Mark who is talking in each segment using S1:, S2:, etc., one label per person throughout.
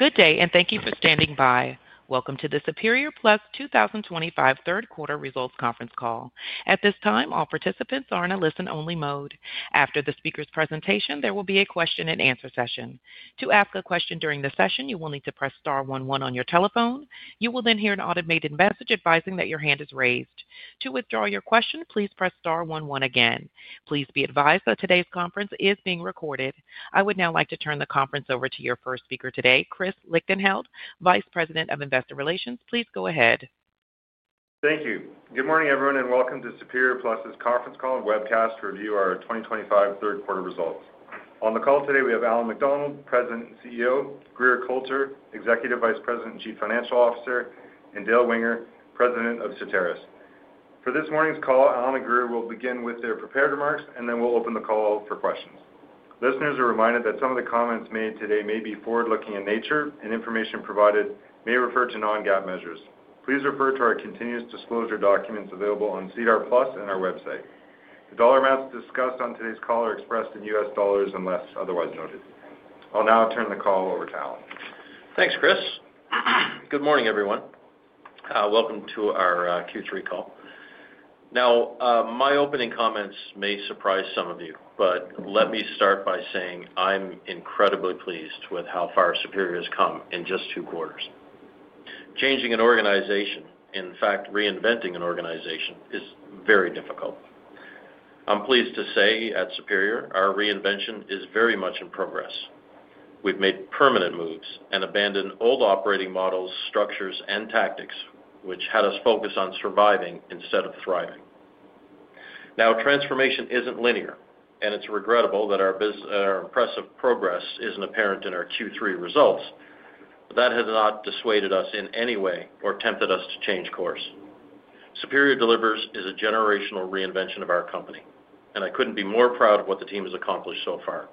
S1: Good day, and thank you for standing by. Welcome to the Superior Plus 2025 third quarter results conference call. At this time, all participants are in a listen-only mode. After the speaker's presentation, there will be a question-and-answer session. To ask a question during the session, you will need to press star one one on your telephone. You will then hear an automated message advising that your hand is raised. To withdraw your question, please press star one one again. Please be advised that today's conference is being recorded. I would now like to turn the conference over to your first speaker today, Chris Lichtenheldt, Vice President of Investor Relations. Please go ahead.
S2: Thank you. Good morning, everyone, and welcome to Superior Plus' conference call and webcast to review our 2025 third quarter results. On the call today, we have Allan MacDonald, President and CEO; Grier Colter, Executive Vice President and Chief Financial Officer; and Dale Winger, President of Certarus. For this morning's call, Allan and Grier will begin with their prepared remarks, and then we'll open the call for questions. Listeners are reminded that some of the comments made today may be forward-looking in nature, and information provided may refer to Non-GAAP measures. Please refer to our continuous disclosure documents available on SEDAR+ and our website. The dollar amounts discussed on today's call are expressed in U.S. dollars unless otherwise noted. I'll now turn the call over to Allan.
S3: Thanks, Chris. Good morning, everyone. Welcome to our Q3 call. Now, my opening comments may surprise some of you, but let me start by saying I'm incredibly pleased with how far Superior has come in just two quarters. Changing an organization, in fact, reinventing an organization, is very difficult. I'm pleased to say at Superior, our reinvention is very much in progress. We've made permanent moves and abandoned old operating models, structures, and tactics, which had us focus on surviving instead of thriving. Now, transformation isn't linear, and it's regrettable that our impressive progress isn't apparent in our Q3 results, but that has not dissuaded us in any way or tempted us to change course. Superior Delivers is a generational reinvention of our company, and I couldn't be more proud of what the team has accomplished so far.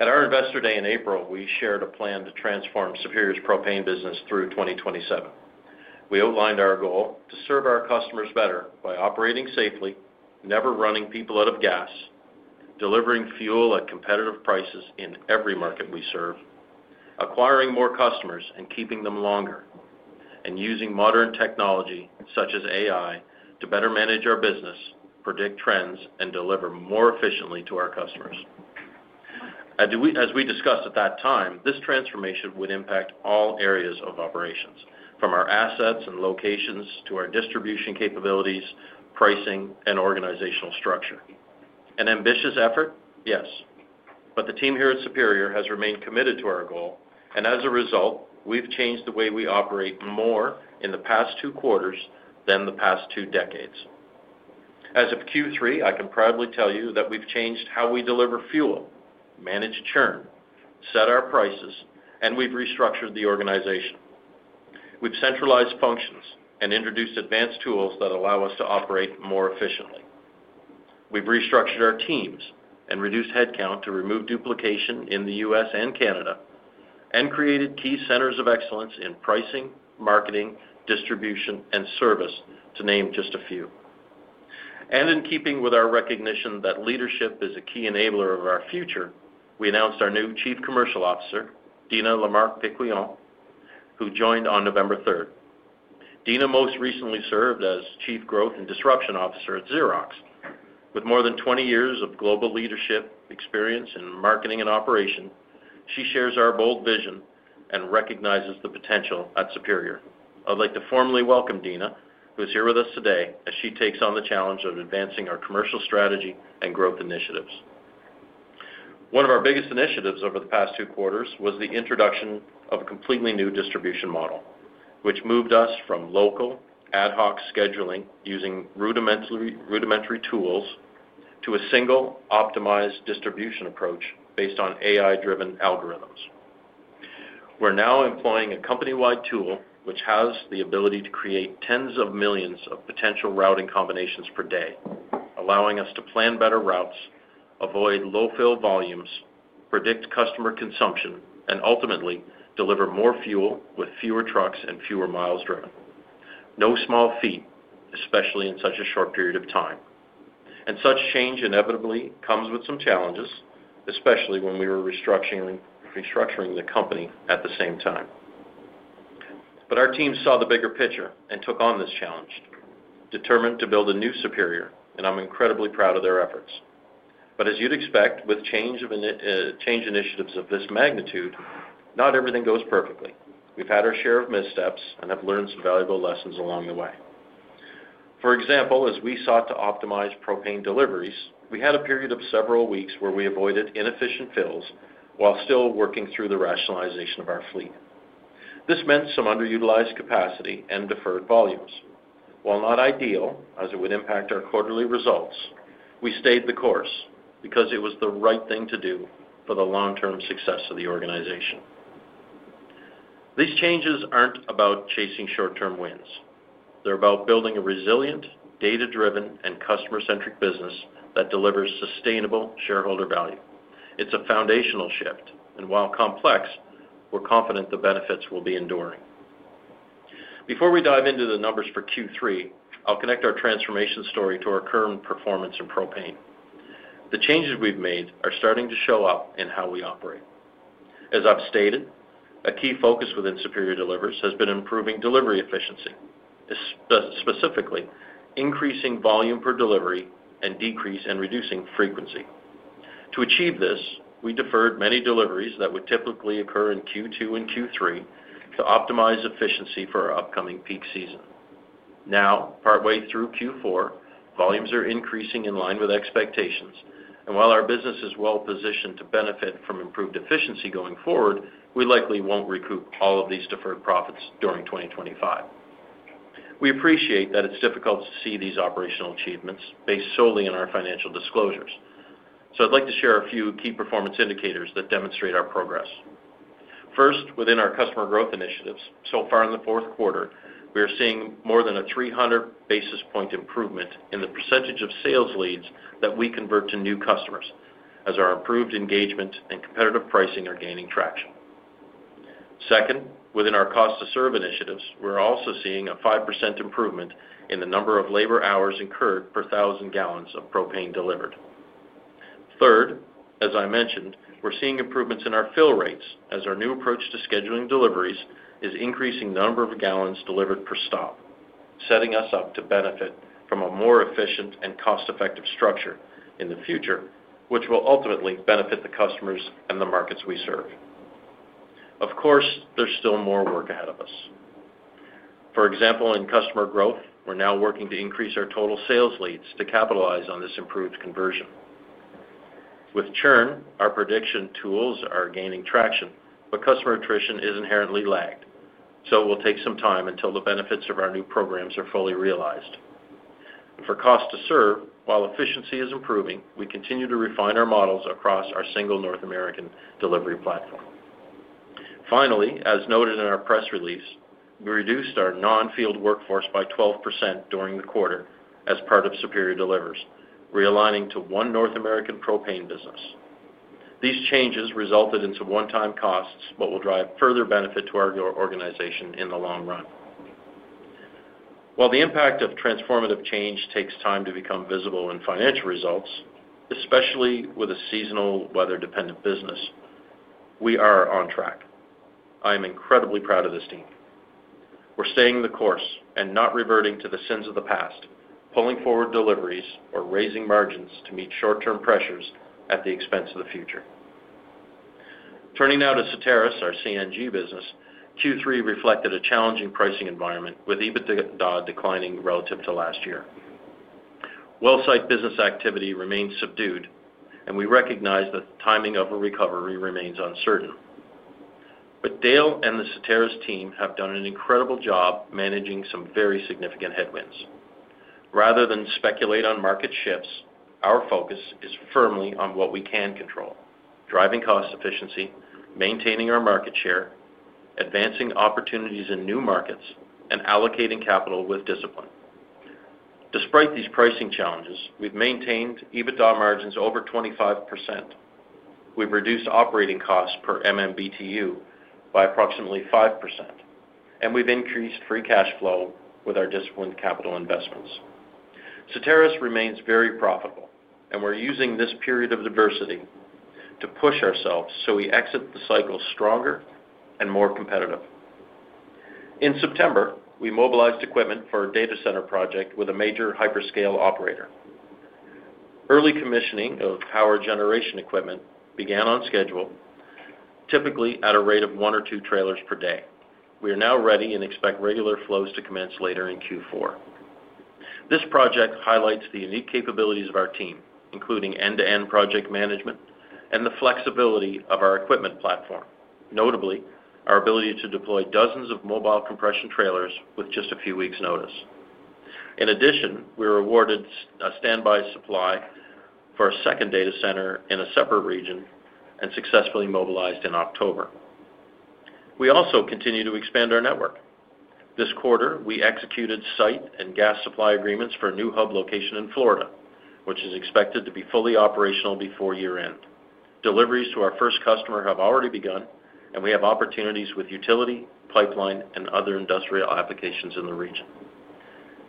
S3: At our Investor Day in April, we shared a plan to transform Superior's propane business through 2027. We outlined our goal to serve our customers better by operating safely, never running people out of gas, delivering fuel at competitive prices in every market we serve, acquiring more customers and keeping them longer, and using modern technology such as AI to better manage our business, predict trends, and deliver more efficiently to our customers. As we discussed at that time, this transformation would impact all areas of operations, from our assets and locations to our distribution capabilities, pricing, and organizational structure. An ambitious effort? Yes. The team here at Superior has remained committed to our goal, and as a result, we've changed the way we operate more in the past two quarters than the past two decades. As of Q3, I can proudly tell you that we've changed how we deliver fuel, manage churn, set our prices, and we've restructured the organization. We've centralized functions and introduced advanced tools that allow us to operate more efficiently. We've restructured our teams and reduced headcount to remove duplication in the U.S. and Canada, and created key centers of excellence in pricing, marketing, distribution, and service, to name just a few. In keeping with our recognition that leadership is a key enabler of our future, we announced our new Chief Commercial Officer, Deena LaMarque Piquion, who joined on November 3rd. Deena most recently served as Chief Growth and Disruption Officer at Xerox. With more than 20 years of global leadership experience in marketing and operation, she shares our bold vision and recognizes the potential at Superior. I'd like to formally welcome Deena, who is here with us today as she takes on the challenge of advancing our commercial strategy and growth initiatives. One of our biggest initiatives over the past two quarters was the introduction of a completely new distribution model, which moved us from local ad hoc scheduling using rudimentary tools to a single optimized distribution approach based on AI-driven algorithms. We're now employing a company-wide tool which has the ability to create tens of millions of potential routing combinations per day, allowing us to plan better routes, avoid low-fill volumes, predict customer consumption, and ultimately deliver more fuel with fewer trucks and fewer miles driven. No small feat, especially in such a short period of time. Such change inevitably comes with some challenges, especially when we were restructuring the company at the same time. Our team saw the bigger picture and took on this challenge, determined to build a new Superior, and I'm incredibly proud of their efforts. As you'd expect, with change initiatives of this magnitude, not everything goes perfectly. We've had our share of missteps and have learned some valuable lessons along the way. For example, as we sought to optimize propane deliveries, we had a period of several weeks where we avoided inefficient fills while still working through the rationalization of our fleet. This meant some underutilized capacity and deferred volumes. While not ideal, as it would impact our quarterly results, we stayed the course because it was the right thing to do for the long-term success of the organization. These changes aren't about chasing short-term wins. They're about building a resilient, data-driven, and customer-centric business that delivers sustainable shareholder value. It's a foundational shift, and while complex, we're confident the benefits will be enduring. Before we dive into the numbers for Q3, I'll connect our transformation story to our current performance in propane. The changes we've made are starting to show up in how we operate. As I've stated, a key focus within Superior Delivers has been improving delivery efficiency, specifically increasing volume per delivery and decreasing and reducing frequency. To achieve this, we deferred many deliveries that would typically occur in Q2 and Q3 to optimize efficiency for our upcoming peak season. Now, partway through Q4, volumes are increasing in line with expectations, and while our business is well-positioned to benefit from improved efficiency going forward, we likely won't recoup all of these deferred profits during 2025. We appreciate that it's difficult to see these operational achievements based solely on our financial disclosures. I'd like to share a few key performance indicators that demonstrate our progress. First, within our Customer Growth initiatives, so far in the fourth quarter, we are seeing more than a 300 basis point improvement in the percentage of sales leads that we convert to new customers, as our improved engagement and competitive pricing are gaining traction. Second, within our Cost-to-Serve initiatives, we're also seeing a 5% improvement in the number of labor hours incurred per 1,000 gal of propane delivered. Third, as I mentioned, we're seeing improvements in our fill rates, as our new approach to scheduling deliveries is increasing the number of gallons delivered per stop, setting us up to benefit from a more efficient and cost-effective structure in the future, which will ultimately benefit the customers and the markets we serve. Of course, there's still more work ahead of us. For example, in Customer Growth, we're now working to increase our total sales leads to capitalize on this improved conversion. With churn, our prediction tools are gaining traction, but customer attrition is inherently lagged, so it will take some time until the benefits of our new programs are fully realized. For Cost-to-Serve, while efficiency is improving, we continue to refine our models across our single North American delivery platform. Finally, as noted in our press release, we reduced our non-field workforce by 12% during the quarter as part of Superior Delivers, realigning to one North American propane business. These changes resulted in some one-time costs but will drive further benefit to our organization in the long run. While the impact of transformative change takes time to become visible in financial results, especially with a seasonal weather-dependent business, we are on track. I am incredibly proud of this team. We're staying the course and not reverting to the sins of the past, pulling forward deliveries or raising margins to meet short-term pressures at the expense of the future. Turning now to Certarus, our CNG business, Q3 reflected a challenging pricing environment with EBITDA declining relative to last year. Well-site business activity remains subdued, and we recognize that the timing of a recovery remains uncertain. Dale and the Certarus team have done an incredible job managing some very significant headwinds. Rather than speculate on market shifts, our focus is firmly on what we can control: driving cost efficiency, maintaining our market share, advancing opportunities in new markets, and allocating capital with discipline. Despite these pricing challenges, we've maintained EBITDA margins over 25%. We've reduced operating costs per MMBTU by approximately 5%, and we've increased Free Cash Flow with our disciplined capital investments. Certarus remains very profitable, and we're using this period of diversity to push ourselves so we exit the cycle stronger and more competitive. In September, we mobilized equipment for a data center project with a major hyperscale operator. Early commissioning of power generation equipment began on schedule, typically at a rate of one or two trailers per day. We are now ready and expect regular flows to commence later in Q4. This project highlights the unique capabilities of our team, including end-to-end project management and the flexibility of our equipment platform, notably our ability to deploy dozens of mobile compression trailers with just a few weeks' notice. In addition, we were awarded a standby supply for a second data center in a separate region and successfully mobilized in October. We also continue to expand our network. This quarter, we executed site and gas supply agreements for a new hub location in Florida, which is expected to be fully operational before year-end. Deliveries to our first customer have already begun, and we have opportunities with utility, pipeline, and other industrial applications in the region.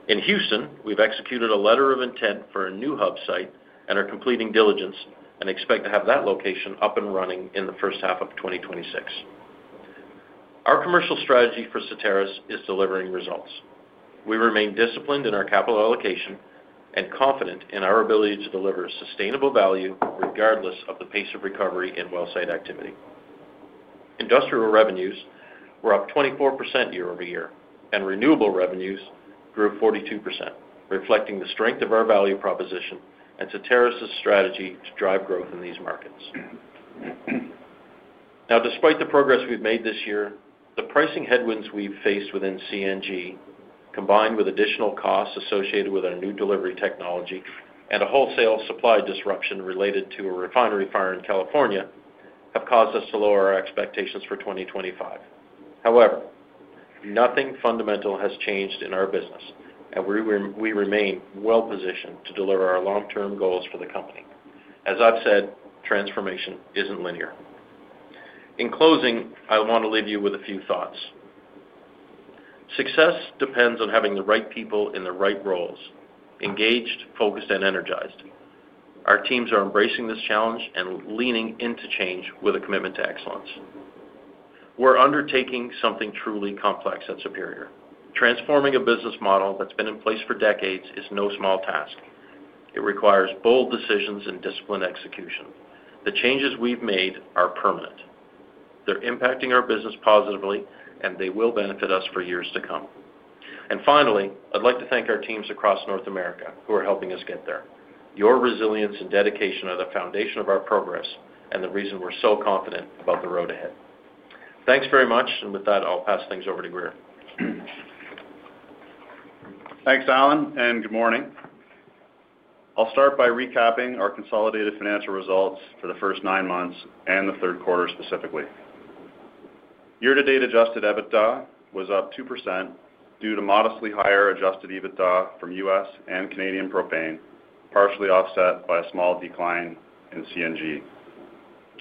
S3: In Houston, we've executed a letter of intent for a new hub site and are completing diligence and expect to have that location up and running in the first half of 2026. Our commercial strategy for Certarus is delivering results. We remain disciplined in our capital allocation and confident in our ability to deliver sustainable value regardless of the pace of recovery in well-site activity. Industrial revenues were up 24% year-over-year, and renewable revenues grew 42%, reflecting the strength of our value proposition and Certarus's strategy to drive growth in these markets. Now, despite the progress we've made this year, the pricing headwinds we've faced within CNG, combined with additional costs associated with our new delivery technology and a wholesale supply disruption related to a refinery fire in California, have caused us to lower our expectations for 2025. However, nothing fundamental has changed in our business, and we remain well-positioned to deliver our long-term goals for the company. As I've said, transformation isn't linear. In closing, I want to leave you with a few thoughts. Success depends on having the right people in the right roles: engaged, focused, and energized. Our teams are embracing this challenge and leaning into change with a commitment to excellence. We're undertaking something truly complex at Superior. Transforming a business model that's been in place for decades is no small task. It requires bold decisions and disciplined execution. The changes we've made are permanent. They're impacting our business positively, and they will benefit us for years to come. Finally, I'd like to thank our teams across North America who are helping us get there. Your resilience and dedication are the foundation of our progress and the reason we're so confident about the road ahead. Thanks very much, and with that, I'll pass things over to Grier.
S4: Thanks, Allan, and good morning. I'll start by recapping our consolidated financial results for the first nine months and the third quarter specifically. Year-to-date Adjusted EBITDA was up 2% due to modestly higher Adjusted EBITDA from U.S. and Canadian Propane, partially offset by a small decline in CNG.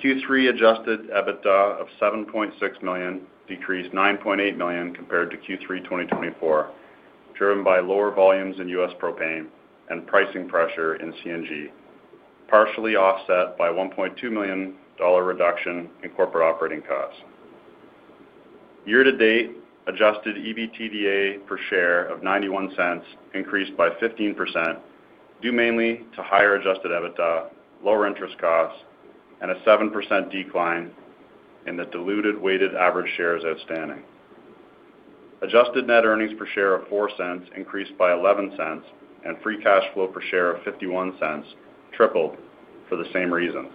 S4: Q3 Adjusted EBITDA of $7.6 million decreased $9.8 million compared to Q3 2024, driven by lower volumes in U.S. Propane and pricing pressure in CNG, partially offset by a $1.2 million reduction in corporate operating costs. Year-to-date Adjusted EBITDA per share of $0.91 increased by 15% due mainly to higher Adjusted EBITDA, lower interest costs, and a 7% decline in the diluted weighted average shares outstanding. Adjusted Net earnings per share of $0.04 increased by $0.11, and Free Cash Flow per share of $0.51 tripled for the same reasons,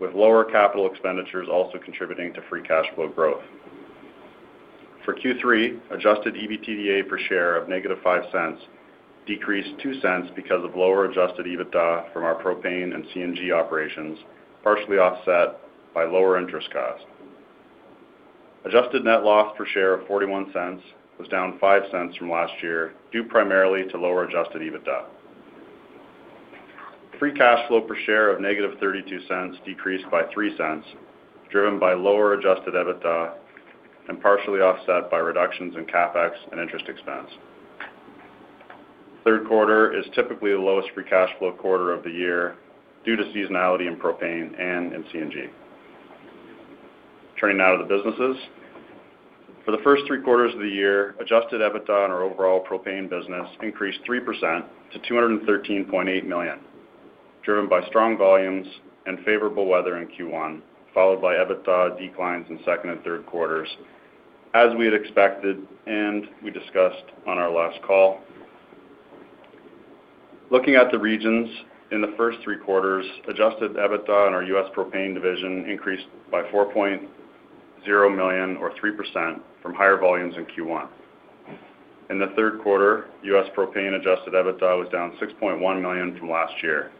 S4: with lower capital expenditures also contributing to Free Cash Flow growth. For Q3, Adjusted EBITDA per share of -$0.05 decreased $0.02 because of lower Adjusted EBITDA from our propane and CNG operations, partially offset by lower interest costs. Adjusted net loss per share of $0.41 was down $0.05 from last year due primarily to lower Adjusted EBITDA. Free Cash Flow per share of -$0.32 decreased by $0.03, driven by lower Adjusted EBITDA and partially offset by reductions in CapEx and interest expense. Third quarter is typically the lowest Free Cash Flow quarter of the year due to seasonality in propane and in CNG. Turning now to the businesses. For the first three quarters of the year, Adjusted EBITDA on our overall propane business increased 3% to $213.8 million, driven by strong volumes and favorable weather in Q1, followed by EBITDA declines in second and third quarters, as we had expected and we discussed on our last call. Looking at the regions, in the first three quarters, Adjusted EBITDA on U.S. Propane division increased by $4.0 million, or 3%, from higher volumes in Q1. In the third u.s. propane Adjusted EBITDA was down $6.1 million from last year.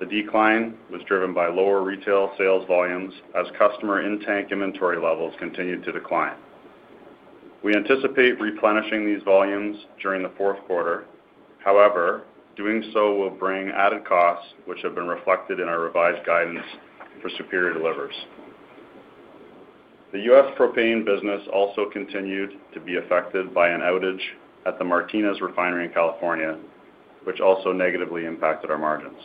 S4: The decline was driven by lower retail sales volumes as customer in-tank inventory levels continued to decline. We anticipate replenishing these volumes during the fourth quarter. However, doing so will bring added costs, which have been reflected in our revised guidance for Superior Delivers. U.S. Propane business also continued to be affected by an outage at the Martinez Refinery in California, which also negatively impacted our margins.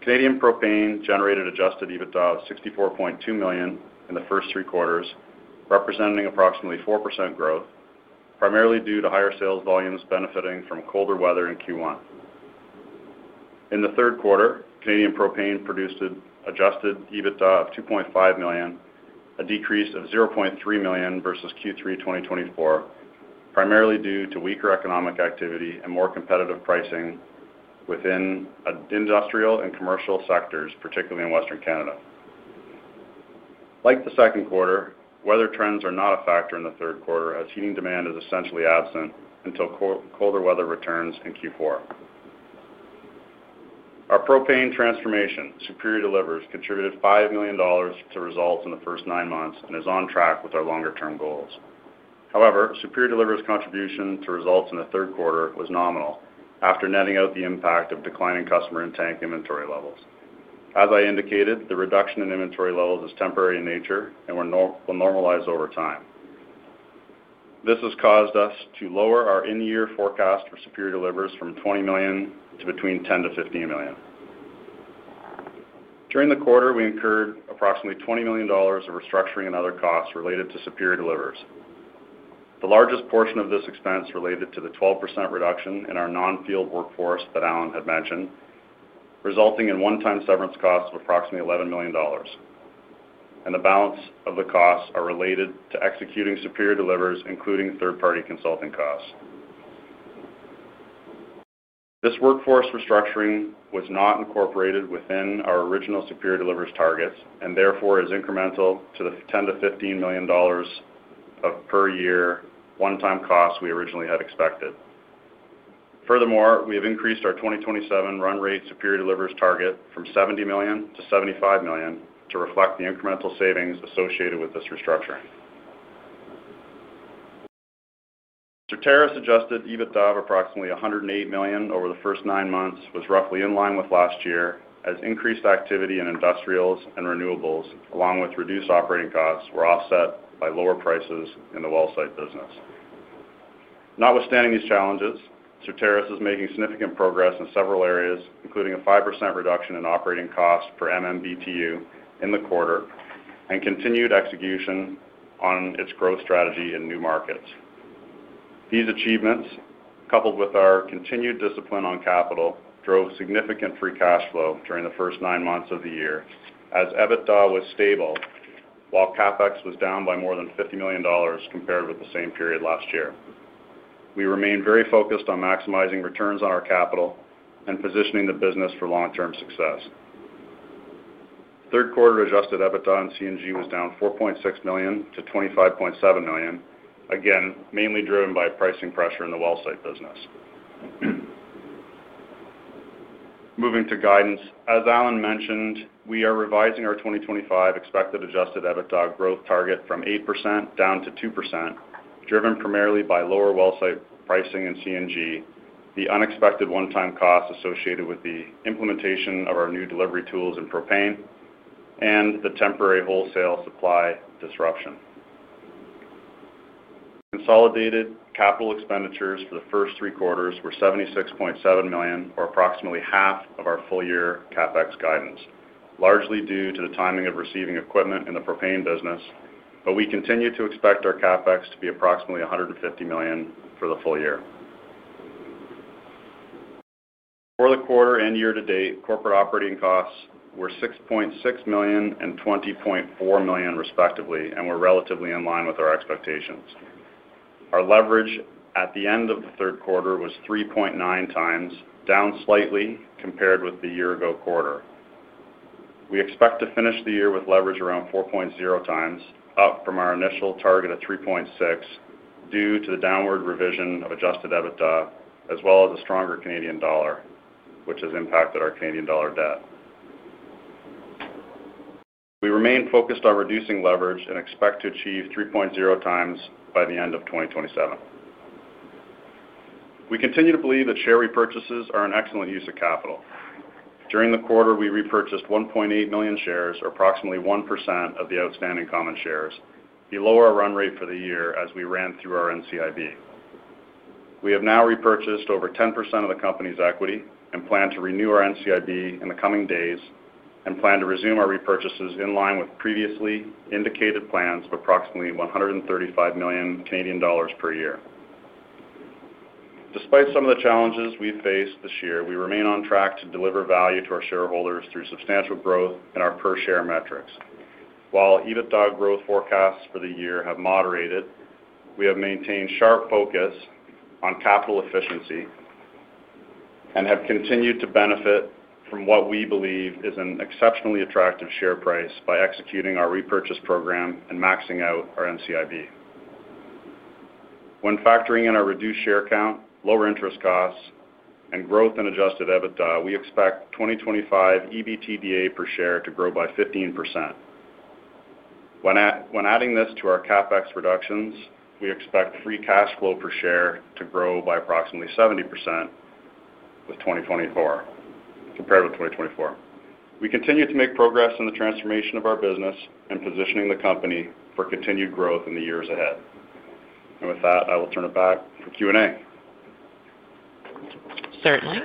S4: Canadian Propane generated Adjusted EBITDA of $64.2 million in the first three quarters, representing approximately 4% growth, primarily due to higher sales volumes benefiting from colder weather in Q1. In the third quarter, Canadian Propane produced an Adjusted EBITDA of $2.5 million, a decrease of $0.3 million versus Q3 2024, primarily due to weaker economic activity and more competitive pricing within industrial and commercial sectors, particularly in Western Canada. Like the second quarter, weather trends are not a factor in the third quarter as heating demand is essentially absent until colder weather returns in Q4. Our propane transformation, Superior Delivers, contributed $5 million to results in the first nine months and is on track with our longer-term goals. However, Superior Delivers' contribution to results in the third quarter was nominal after netting out the impact of declining customer in-tank inventory levels. As I indicated, the reduction in inventory levels is temporary in nature and will normalize over time. This has caused us to lower our in-year forecast for Superior Delivers from $20 million to $10 million-$15 million. During the quarter, we incurred approximately $20 million of restructuring and other costs related to Superior Delivers. The largest portion of this expense related to the 12% reduction in our non-field workforce that Allan had mentioned, resulting in one-time severance costs of approximately $11 million. The balance of the costs are related to executing Superior Delivers, including third-party consulting costs. This workforce restructuring was not incorporated within our original Superior Delivers targets and therefore is incremental to the $10 million-$15 million per year one-time costs we originally had expected. Furthermore, we have increased our 2027 run rate Superior Delivers target from $70 million to $75 million to reflect the incremental savings associated with this restructuring. Certarus Adjusted EBITDA of approximately $108 million over the first nine months was roughly in line with last year as increased activity in industrials and renewables, along with reduced operating costs, were offset by lower prices in the well-site business. Notwithstanding these challenges, Certarus is making significant progress in several areas, including a 5% reduction in operating costs per MMBTU in the quarter and continued execution on its growth strategy in new markets. These achievements, coupled with our continued discipline on capital, drove significant Free Cash Flow during the first nine months of the year as EBITDA was stable while CapEx was down by more than $50 million compared with the same period last year. We remain very focused on maximizing returns on our capital and positioning the business for long-term success. Third quarter Adjusted EBITDA on CNG was down $4.6 million to $25.7 million, again mainly driven by pricing pressure in the well-site business. Moving to guidance, as Allan mentioned, we are revising our 2025 expected Adjusted EBITDA growth target from 8% down to 2%, driven primarily by lower well-site pricing in CNG, the unexpected one-time costs associated with the implementation of our new delivery tools in propane, and the temporary wholesale supply disruption. Consolidated capital expenditures for the first three quarters were $76.7 million, or approximately half of our full-year CapEx guidance, largely due to the timing of receiving equipment in the propane business, but we continue to expect our CapEx to be approximately $150 million for the full year. For the quarter and year-to-date, corporate operating costs were $6.6 million and $20.4 million, respectively, and were relatively in line with our expectations. Our leverage at the end of the third quarter was 3.9x, down slightly compared with the year-ago quarter. We expect to finish the year with leverage around 4.0x, up from our initial target of 3.6x due to the downward revision of Adjusted EBITDA, as well as a stronger Canadian dollar, which has impacted our Canadian dollar debt. We remain focused on reducing leverage and expect to achieve 3.0x by the end of 2027. We continue to believe that share repurchases are an excellent use of capital. During the quarter, we repurchased 1.8 million shares, or approximately 1% of the outstanding common shares, below our run rate for the year as we ran through our NCIB. We have now repurchased over 10% of the company's equity and plan to renew our NCIB in the coming days and plan to resume our repurchases in line with previously indicated plans of approximately 135 million Canadian dollars per year. Despite some of the challenges we've faced this year, we remain on track to deliver value to our shareholders through substantial growth in our per-share metrics. While EBITDA growth forecasts for the year have moderated, we have maintained sharp focus on capital efficiency and have continued to benefit from what we believe is an exceptionally attractive share price by executing our repurchase program and maxing out our NCIB. When factoring in our reduced share count, lower interest costs, and growth in Adjusted EBITDA, we expect 2025 EBITDA per share to grow by 15%. When adding this to our CapEx reductions, we expect Free Cash Flow per share to grow by approximately 70% with 2024, compared with 2024. We continue to make progress in the transformation of our business and positioning the company for continued growth in the years ahead. With that, I will turn it back for Q&A.
S1: Certainly.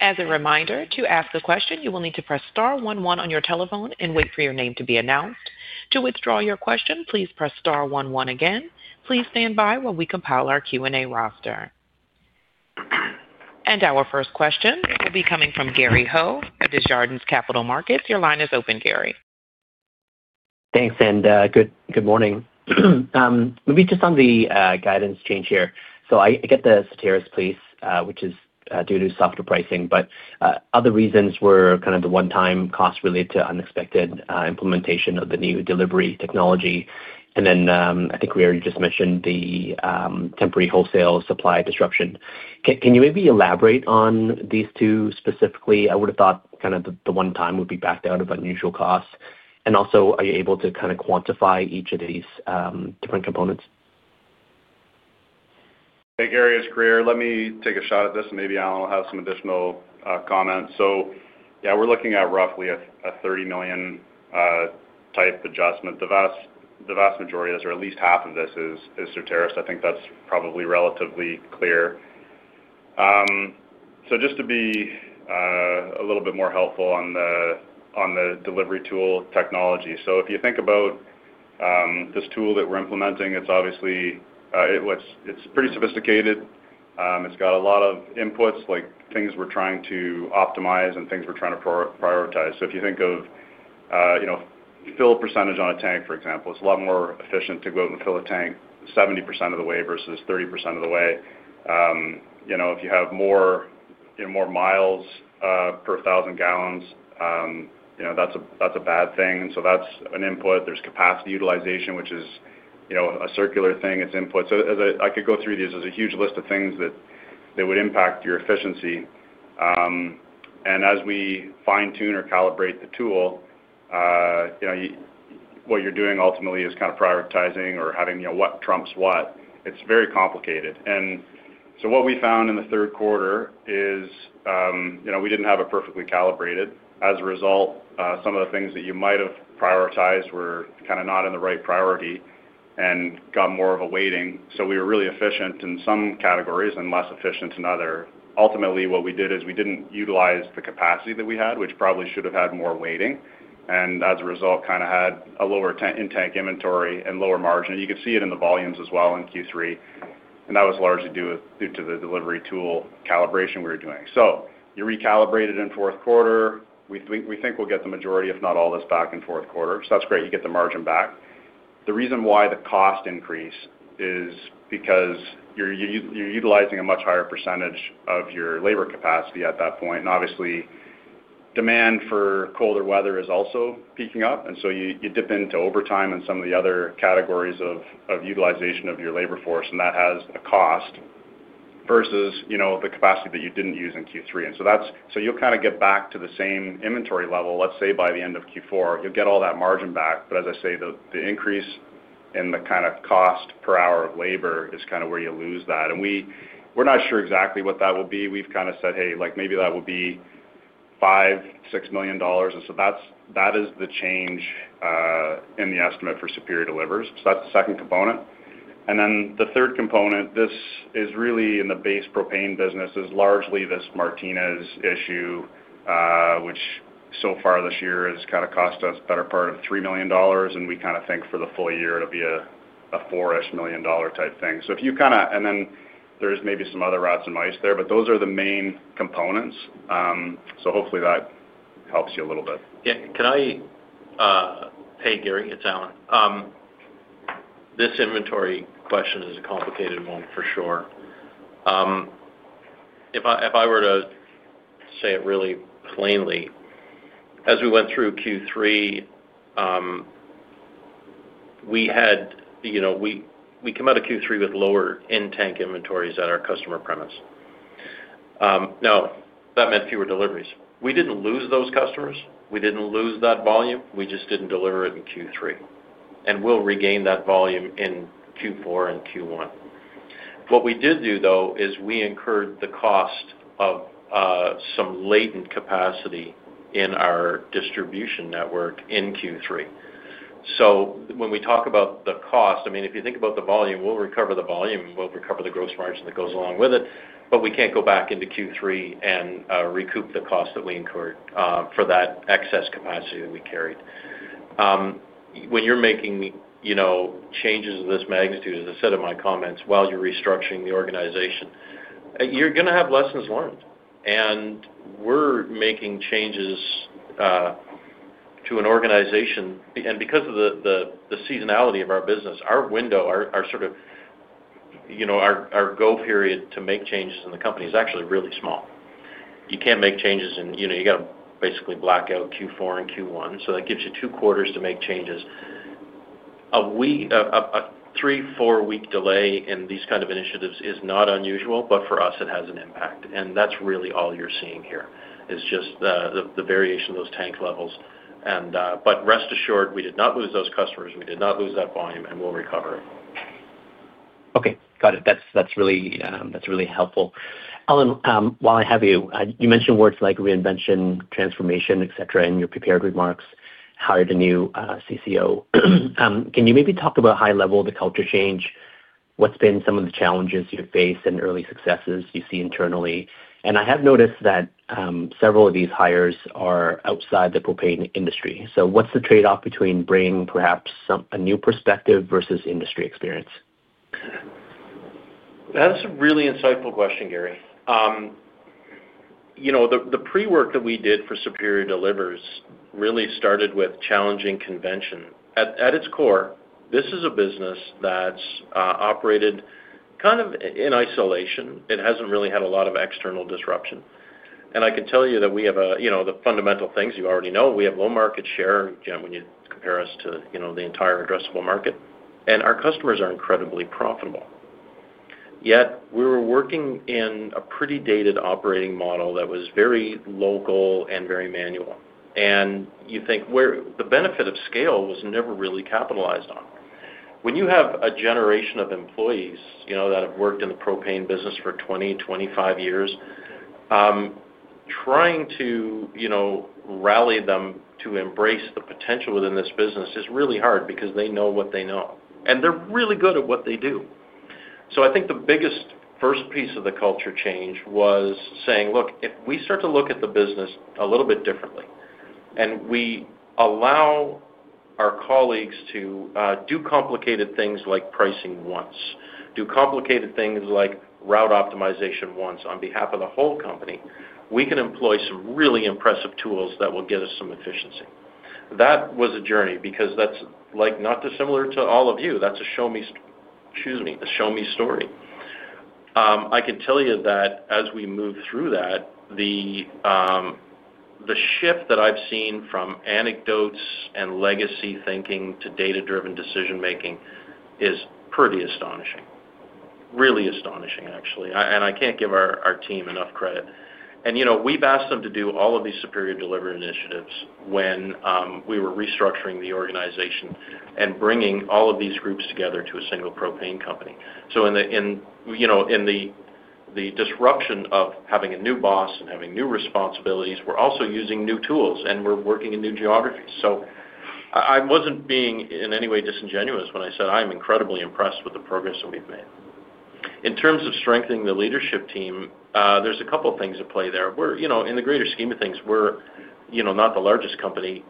S1: As a reminder, to ask a question, you will need to press star one one on your telephone and wait for your name to be announced. To withdraw your question, please press star one one again. Please stand by while we compile our Q&A roster. Our first question will be coming from Gary Ho at Desjardins Capital Markets. Your line is open, Gary.
S5: Thanks, and good morning. Maybe just on the guidance change here. I get the Certarus piece, which is due to softer pricing, but other reasons were kind of the one-time cost related to unexpected implementation of the new delivery technology. I think Grier just mentioned the temporary wholesale supply disruption. Can you maybe elaborate on these two specifically? I would have thought kind of the one-time would be backed out of unusual costs. Also, are you able to kind of quantify each of these different components?
S4: Hey, Gary is Grier. Let me take a shot at this, and maybe Allan will have some additional comments. Yeah, we're looking at roughly a $30 million type adjustment. The vast majority, or at least half of this, is Certarus. I think that's probably relatively clear. Just to be a little bit more helpful on the delivery tool technology. If you think about this tool that we're implementing, it's obviously pretty sophisticated. It's got a lot of inputs, like things we're trying to optimize and things we're trying to prioritize. If you think of fill percentage on a tank, for example, it's a lot more efficient to go out and fill a tank 70% of the way versus 30% of the way. If you have more miles per 1,000 gal, that's a bad thing. That's an input. There's capacity utilization, which is a circular thing. It's input. I could go through these. There's a huge list of things that would impact your efficiency. As we fine-tune or calibrate the tool, what you're doing ultimately is kind of prioritizing or having what trumps what. It's very complicated. What we found in the third quarter is we didn't have it perfectly calibrated. As a result, some of the things that you might have prioritized were kind of not in the right priority and got more of a waiting. We were really efficient in some categories and less efficient in others. Ultimately, what we did is we did not utilize the capacity that we had, which probably should have had more waiting. As a result, kind of had a lower in-tank inventory and lower margin. You could see it in the volumes as well in Q3. That was largely due to the delivery tool calibration we were doing. You recalibrated in fourth quarter. We think we will get the majority, if not all, of this back in fourth quarter. That is great. You get the margin back. The reason why the cost increase is because you are utilizing a much higher percentage of your labor capacity at that point. Obviously, demand for colder weather is also peaking up. You dip into overtime and some of the other categories of utilization of your labor force, and that has a cost versus the capacity that you did not use in Q3. You will kind of get back to the same inventory level, let's say by the end of Q4. You will get all that margin back. As I say, the increase in the kind of cost per hour of labor is kind of where you lose that. We are not sure exactly what that will be. We have kind of said, "Hey, maybe that will be $5 million-$6 million." That is the change in the estimate for Superior Delivers. That is the second component. The third component, this is really in the base propane business, is largely this Martinez issue, which so far this year has kind of cost us the better part of $3 million. We kind of think for the full year it will be a $4 million-ish type thing. If you kind of—and then there are maybe some other rats and mice there, but those are the main components. Hopefully that helps you a little bit.
S3: Yeah. Hey, Gary, it is Allan. This inventory question is a complicated one, for sure. If I were to say it really plainly, as we went through Q3, we came out of Q3 with lower in-tank inventories at our customer premise. That meant fewer deliveries. We did not lose those customers. We did not lose that volume. We just did not deliver it in Q3. We will regain that volume in Q4 and Q1. What we did do, though, is we incurred the cost of some latent capacity in our distribution network in Q3. I mean, if you think about the volume, we'll recover the volume. We'll recover the gross margin that goes along with it. We can't go back into Q3 and recoup the cost that we incurred for that excess capacity that we carried. When you're making changes of this magnitude, as I said in my comments, while you're restructuring the organization, you're going to have lessons learned. We're making changes to an organization. Because of the seasonality of our business, our window, our sort of our go period to make changes in the company is actually really small. You can't make changes in—you got to basically black out Q4 and Q1. That gives you two quarters to make changes. A three, four-week delay in these kind of initiatives is not unusual, but for us, it has an impact. That's really all you're seeing here, is just the variation of those tank levels. Rest assured, we did not lose those customers. We did not lose that volume, and we'll recover it.
S5: Okay. Got it. That's really helpful. Allan, while I have you, you mentioned words like reinvention, transformation, etc., in your prepared remarks, hired a new CCO. Can you maybe talk about high-level the culture change? What's been some of the challenges you've faced and early successes you see internally? I have noticed that several of these hires are outside the propane industry. What's the trade-off between bringing perhaps a new perspective versus industry experience?
S3: That's a really insightful question, Gary. The pre-work that we did for Superior Delivers really started with challenging convention. At its core, this is a business that's operated kind of in isolation. It hasn't really had a lot of external disruption. I can tell you that we have the fundamental things you already know. We have low market share when you compare us to the entire addressable market. Our customers are incredibly profitable. Yet we were working in a pretty dated operating model that was very local and very manual. You think the benefit of scale was never really capitalized on. When you have a generation of employees that have worked in the propane business for 20, 25 years, trying to rally them to embrace the potential within this business is really hard because they know what they know. They're really good at what they do. I think the biggest first piece of the culture change was saying, "Look, if we start to look at the business a little bit differently and we allow our colleagues to do complicated things like pricing once, do complicated things like route optimization once on behalf of the whole company, we can employ some really impressive tools that will get us some efficiency." That was a journey because that's not dissimilar to all of you. That's a show me—excuse me—a show me story. I can tell you that as we move through that, the shift that I've seen from anecdotes and legacy thinking to data-driven decision-making is pretty astonishing. Really astonishing, actually. I can't give our team enough credit. We have asked them to do all of these Superior Delivers initiatives when we were restructuring the organization and bringing all of these groups together to a single propane company. In the disruption of having a new boss and having new responsibilities, we are also using new tools, and we are working in new geographies. I was not being in any way disingenuous when I said I am incredibly impressed with the progress that we have made. In terms of strengthening the leadership team, there are a couple of things at play there. In the greater scheme of things, we are not the largest company.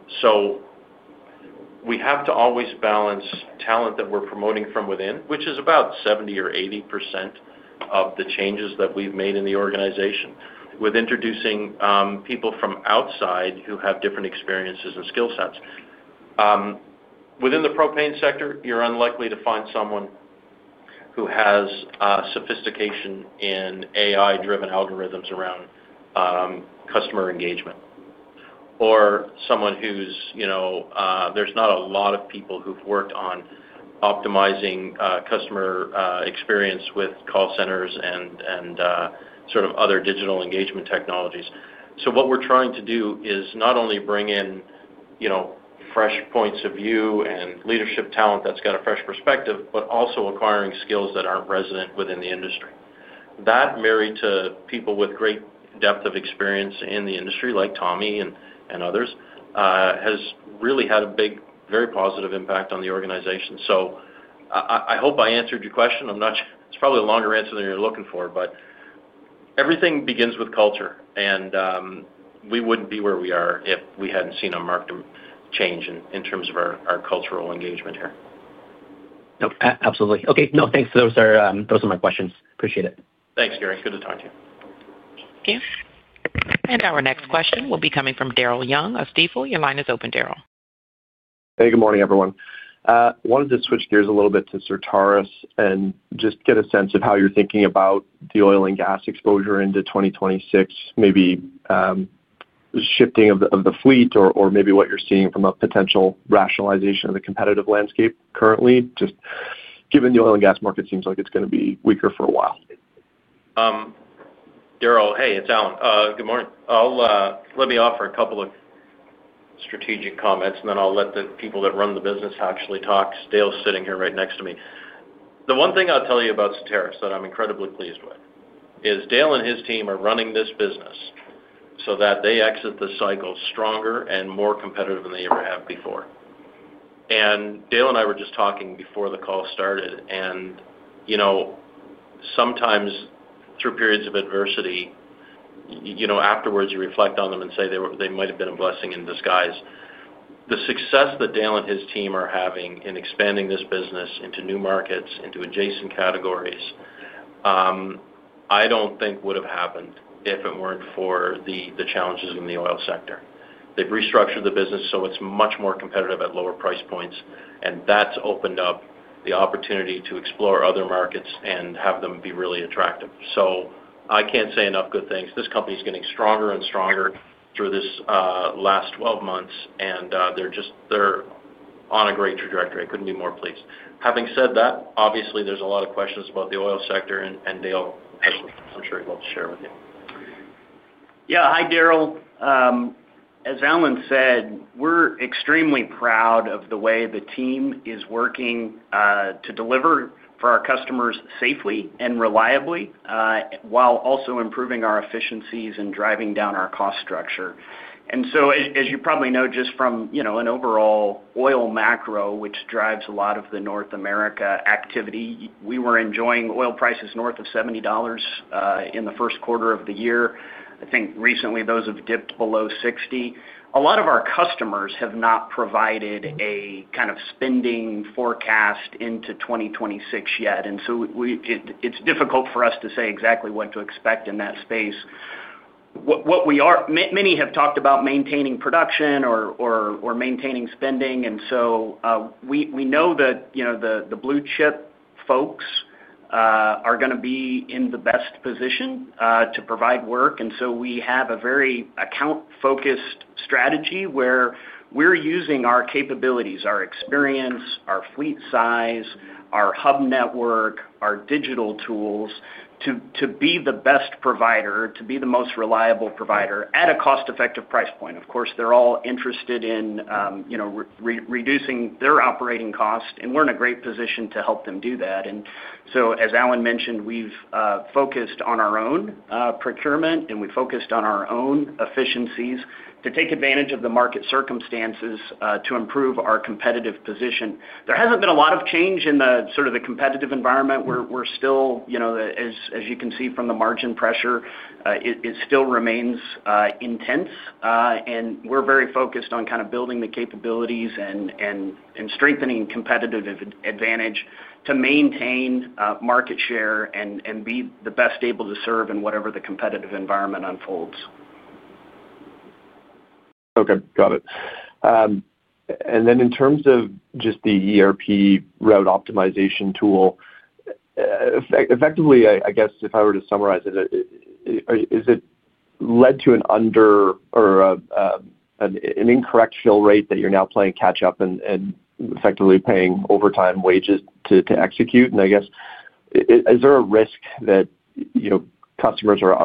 S3: We have to always balance talent that we are promoting from within, which is about 70% or 80% of the changes that we have made in the organization, with introducing people from outside who have different experiences and skill sets. Within the propane sector, you're unlikely to find someone who has sophistication in AI-driven algorithms around customer engagement or someone who's—there's not a lot of people who've worked on optimizing customer experience with call centers and sort of other digital engagement technologies. What we're trying to do is not only bring in fresh points of view and leadership talent that's got a fresh perspective, but also acquiring skills that aren't resident within the industry. That, married to people with great depth of experience in the industry, like Tommy and others, has really had a big, very positive impact on the organization. I hope I answered your question. It's probably a longer answer than you're looking for, but everything begins with culture. We wouldn't be where we are if we hadn't seen a marked change in terms of our cultural engagement here.
S5: Absolutely. Okay. No, thanks. Those are my questions. Appreciate it.
S3: Thanks, Gary. Good to talk to you.
S1: Thank you. Our next question will be coming from Daryl Young at Stifel. Your line is open, Daryl.
S6: Hey, good morning, everyone. I wanted to switch gears a little bit to Certarus and just get a sense of how you're thinking about the oil and gas exposure into 2026, maybe shifting of the fleet or maybe what you're seeing from a potential rationalization of the competitive landscape currently, just given the oil and gas market seems like it's going to be weaker fora while.
S3: Daryl, hey, it's Allan. Good morning. Let me offer a couple of strategic comments, and then I'll let the people that run the business actually talk. Dale's sitting here right next to me. The one thing I'll tell you about Certarus that I'm incredibly pleased with is Dale and his team are running this business so that they exit the cycle stronger and more competitive than they ever have before. Dale and I were just talking before the call started. Sometimes, through periods of adversity, afterwards, you reflect on them and say they might have been a blessing in disguise. The success that Dale and his team are having in expanding this business into new markets, into adjacent categories, I don't think would have happened if it weren't for the challenges in the oil sector. They've restructured the business so it's much more competitive at lower price points. That's opened up the opportunity to explore other markets and have them be really attractive. I can't say enough good things. This company is getting stronger and stronger through this last 12 months, and they're on a great trajectory. I couldn't be more pleased. Having said that, obviously, there's a lot of questions about the oil sector, and Dale has some I'm sure he'd love to share with you.
S7: Yeah. Hi, Daryl. As Allan said, we're extremely proud of the way the team is working to deliver for our customers safely and reliably while also improving our efficiencies and driving down our cost structure. As you probably know, just from an overall oil macro, which drives a lot of the North America activity, we were enjoying oil prices north of $70 in the first quarter of the year. I think recently those have dipped below $60. A lot of our customers have not provided a kind of spending forecast into 2026 yet. It is difficult for us to say exactly what to expect in that space. Many have talked about maintaining production or maintaining spending. We know that the blue chip folks are going to be in the best position to provide work. We have a very account-focused strategy where we are using our capabilities, our experience, our fleet size, our hub network, our digital tools to be the best provider, to be the most reliable provider at a cost-effective price point. Of course, they are all interested in reducing their operating costs, and we are in a great position to help them do that. As Allan mentioned, we have focused on our own procurement, and we have focused on our own efficiencies to take advantage of the market circumstances to improve our competitive position. There has not been a lot of change in the competitive environment. We're still, as you can see from the margin pressure, it still remains intense. We're very focused on kind of building the capabilities and strengthening competitive advantage to maintain market share and be the best able to serve in whatever the competitive environment unfolds.
S6: Okay. Got it. In terms of just the ERP route optimization tool, effectively, I guess if I were to summarize it, has it led to an incorrect fill rate that you're now playing catch-up and effectively paying overtime wages to execute? I guess, is there a risk that customers are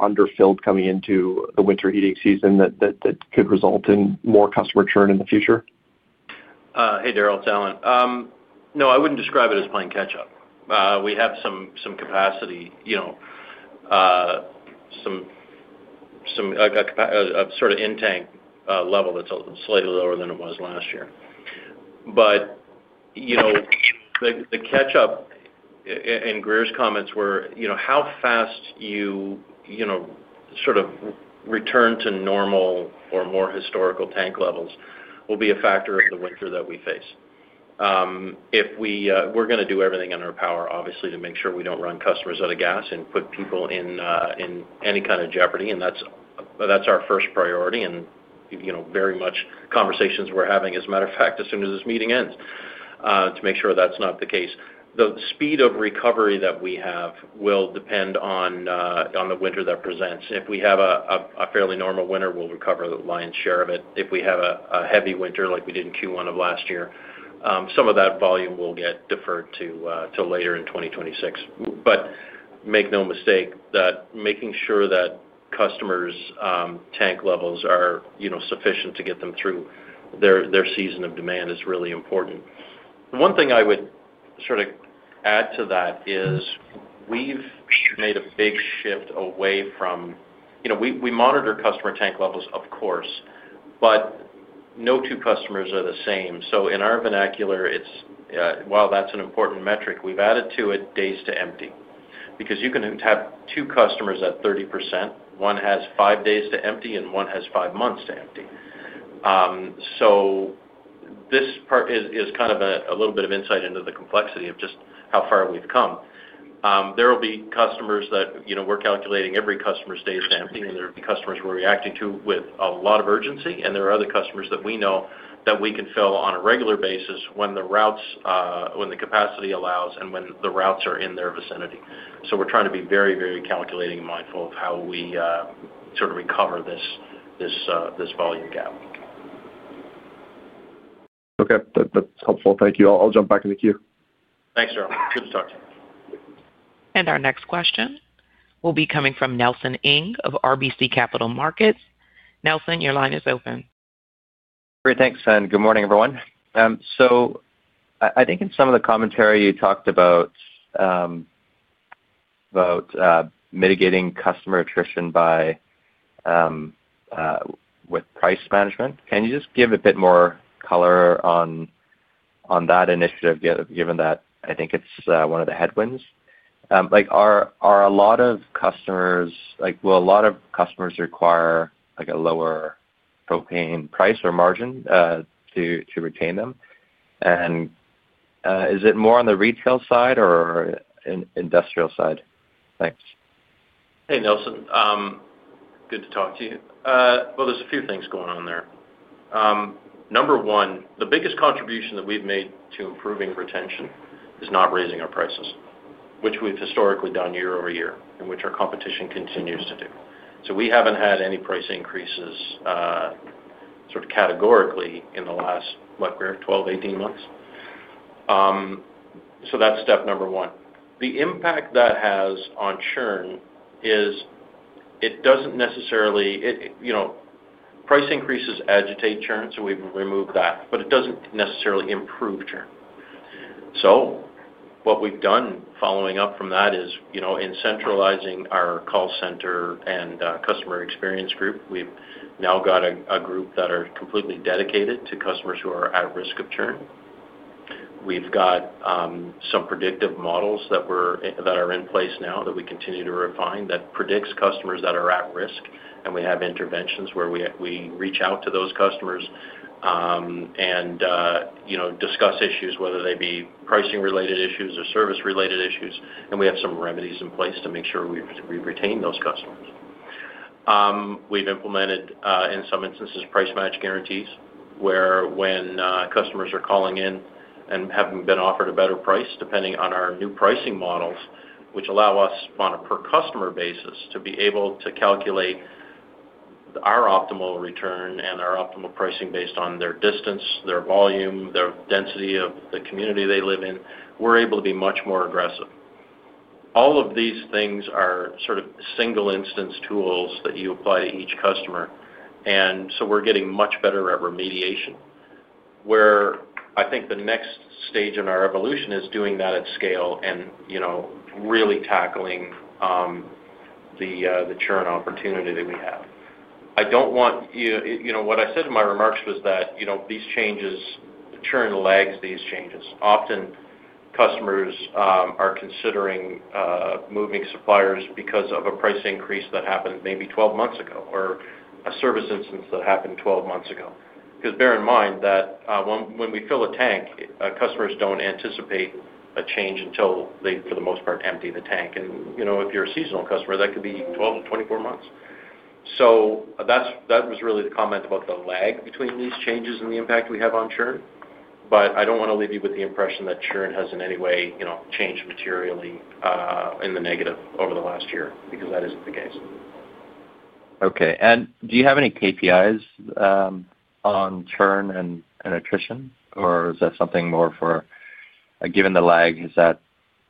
S6: underfilled coming into the winter heating season that could result in more customer churn in the future?
S3: Hey, Daryl. It's Allan. No, I wouldn't describe it as playing catch-up. We have some capacity, some sort of in-tank level that's slightly lower than it was last year. The catch-up and Grier's comments were how fast you sort of return to normal or more historical tank levels will be a factor of the winter that we face. We're going to do everything in our power, obviously, to make sure we don't run customers out of gas and put people in any kind of jeopardy. That's our first priority and very much conversations we're having, as a matter of fact, as soon as this meeting ends, to make sure that's not the case. The speed of recovery that we have will depend on the winter that presents. If we have a fairly normal winter, we'll recover the lion's share of it. If we have a heavy winter like we did in Q1 of last year, some of that volume will get deferred to later in 2026. Make no mistake that making sure that customers' tank levels are sufficient to get them through their season of demand is really important. One thing I would sort of add to that is we've made a big shift away from we monitor customer tank levels, of course, but no two customers are the same. In our vernacular, while that's an important metric, we've added to it days to empty because you can have two customers at 30%. One has five days to empty, and one has five months to empty. This part is kind of a little bit of insight into the complexity of just how far we've come. There will be customers that we're calculating every customer's days to empty, and there will be customers we're reacting to with a lot of urgency. There are other customers that we know that we can fill on a regular basis when the capacity allows and when the routes are in their vicinity. We are trying to be very, very calculating and mindful of how we sort of recover this volume gap.
S6: Okay. That is helpful. Thank you. I will jump back into queue.
S3: Thanks, Daryl. Good to talk to you.
S1: Our next question will be coming from Nelson Ng of RBC Capital Markets. Nelson, your line is open.
S8: Great. Thanks. Good morning, everyone. I think in some of the commentary, you talked about mitigating customer attrition with price management. Can you just give a bit more color on that initiative, given that I think it is one of the headwinds? Will a lot of customers require a lower propane price or margin to retain them? Is it more on the retail side or industrial side?
S3: Thanks. Hey, Nelson. Good to talk to you. There are a few things going on there. Number one, the biggest contribution that we have made to improving retention is not raising our prices, which we have historically done year over year and which our competition continues to do. We have not had any price increases sort of categorically in the last, what, 12-18 months? That is step number one. The impact that has on churn is it does not necessarily price increases agitate churn, so we have removed that, but it does not necessarily improve churn. What we have done following up from that is in centralizing our call center and customer experience group, we have now got a group that are completely dedicated to customers who are at risk of churn. We've got some predictive models that are in place now that we continue to refine that predicts customers that are at risk. We have interventions where we reach out to those customers and discuss issues, whether they be pricing-related issues or service-related issues. We have some remedies in place to make sure we retain those customers. We've implemented, in some instances, price match guarantees where when customers are calling in and having been offered a better price, depending on our new pricing models, which allow us, on a per-customer basis, to be able to calculate our optimal return and our optimal pricing based on their distance, their volume, their density of the community they live in, we're able to be much more aggressive. All of these things are sort of single-instance tools that you apply to each customer. We are getting much better at remediation, where I think the next stage in our evolution is doing that at scale and really tackling the churn opportunity that we have. I do not want you to, what I said in my remarks was that these changes, the churn lags these changes. Often, customers are considering moving suppliers because of a price increase that happened maybe 12 months ago or a service instance that happened 12 months ago. Bear in mind that when we fill a tank, customers do not anticipate a change until they, for the most part, empty the tank. If you are a seasonal customer, that could be 12-24 months. That was really the comment about the lag between these changes and the impact we have on churn. I do not want to leave you with the impression that churn has in any way changed materially in the negative over the last year because that is not the case.
S8: Okay. Do you have any KPIs on churn and attrition, or is that something more for given the lag, is that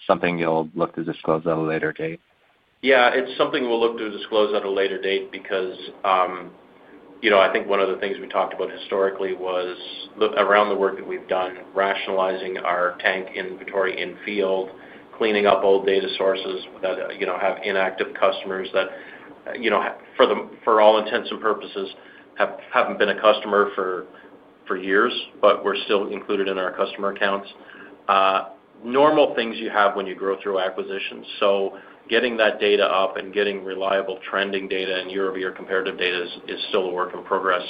S8: something you will look to disclose at a later date?
S3: Yeah. It is something we will look to disclose at a later date because I think one of the things we talked about historically was around the work that we have done, rationalizing our tank inventory in-field, cleaning up old data sources, have inactive customers that, for all intents and purposes, have not been a customer for years, but were still included in our customer accounts. Normal things you have when you grow through acquisitions. Getting that data up and getting reliable trending data and year-over-year comparative data is still a work in progress.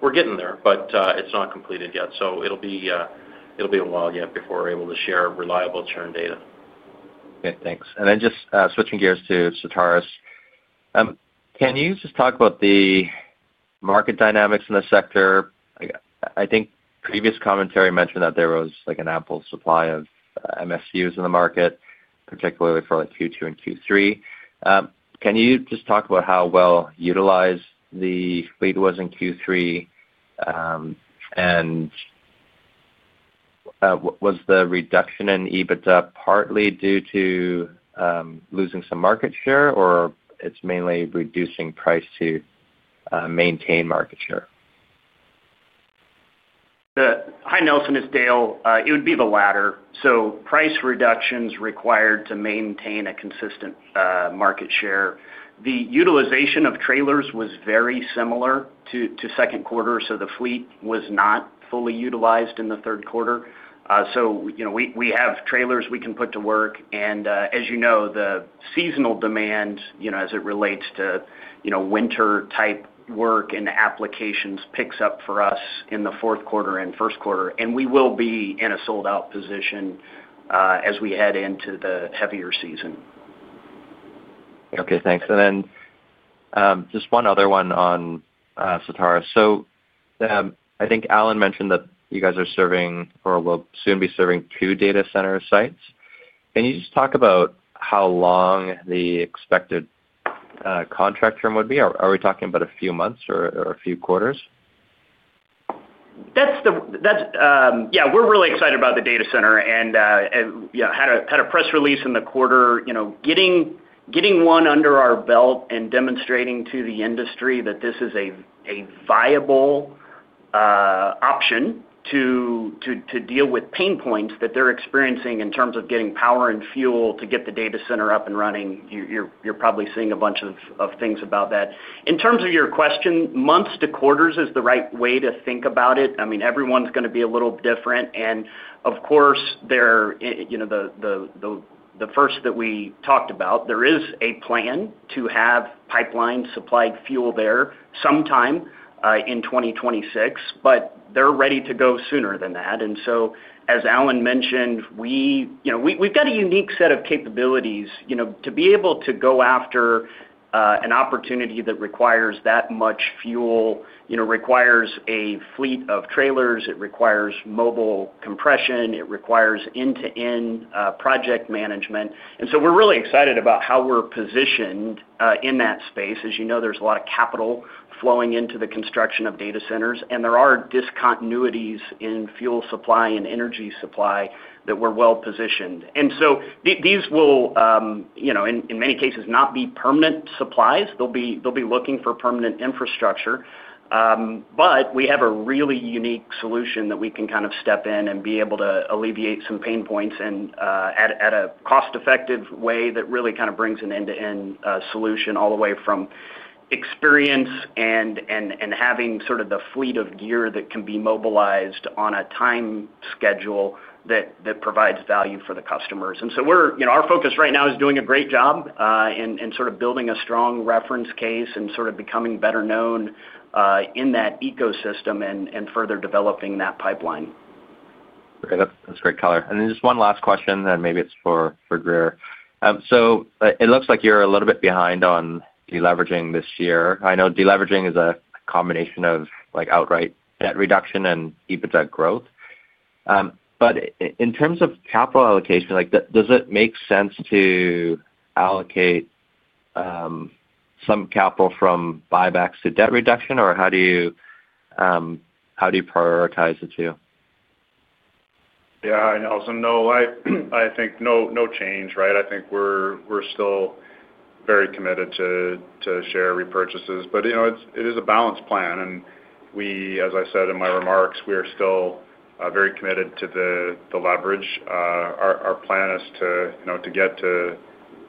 S3: We're getting there, but it's not completed yet. It'll be a while yet before we're able to share reliable churn data.
S8: Okay. Thanks. Just switching gears to Certarus, can you talk about the market dynamics in the sector? I think previous commentary mentioned that there was an ample supply of MSUs in the market, particularly for Q2 and Q3. Can you talk about how well utilized the fleet was in Q3? Was the reduction in EBITDA partly due to losing some market share, or is it mainly reducing price to maintain market share?
S7: Hi, Nelson. It's Dale. It would be the latter. Price reductions required to maintain a consistent market share. The utilization of trailers was very similar to second quarter. The fleet was not fully utilized in the third quarter. We have trailers we can put to work. As you know, the seasonal demand, as it relates to winter-type work and applications, picks up for us in the fourth quarter and first quarter. We will be in a sold-out position as we head into the heavier season.
S8: Okay. Thanks. Just one other one on Certarus. I think Allan mentioned that you guys are serving or will soon be serving two data center sites. Can you just talk about how long the expected contract term would be? Are we talking about a few months or a few quarters?
S7: Yeah. We're really excited about the data center and had a press release in the quarter, getting one under our belt and demonstrating to the industry that this is a viable option to deal with pain points that they're experiencing in terms of getting power and fuel to get the data center up and running. You're probably seeing a bunch of things about that. In terms of your question, months to quarters is the right way to think about it. I mean, everyone's going to be a little different. Of course, the first that we talked about, there is a plan to have pipeline supplied fuel there sometime in 2026, but they're ready to go sooner than that. As Allan mentioned, we've got a unique set of capabilities to be able to go after an opportunity that requires that much fuel, requires a fleet of trailers. It requires mobile compression. It requires end-to-end project management. We are really excited about how we are positioned in that space. As you know, there is a lot of capital flowing into the construction of data centers, and there are discontinuities in fuel supply and energy supply that we are well positioned. These will, in many cases, not be permanent supplies. They will be looking for permanent infrastructure. We have a really unique solution that we can kind of step in and be able to alleviate some pain points at a cost-effective way that really kind of brings an end-to-end solution all the way from experience and having sort of the fleet of gear that can be mobilized on a time schedule that provides value for the customers. Our focus right now is doing a great job in sort of building a strong reference case and sort of becoming better known in that ecosystem and further developing that pipeline.
S8: Okay. That's great, Color. One last question, and maybe it's for Grier. It looks like you're a little bit behind on deleveraging this year. I know deleveraging is a combination of outright debt reduction and EBITDA growth. In terms of capital allocation, does it make sense to allocate some capital from buybacks to debt reduction, or how do you prioritize the two?
S4: Yeah. I also know I think no change, right? I think we're still very committed to share repurchases. It is a balanced plan. As I said in my remarks, we are still very committed to the leverage. Our plan is to get to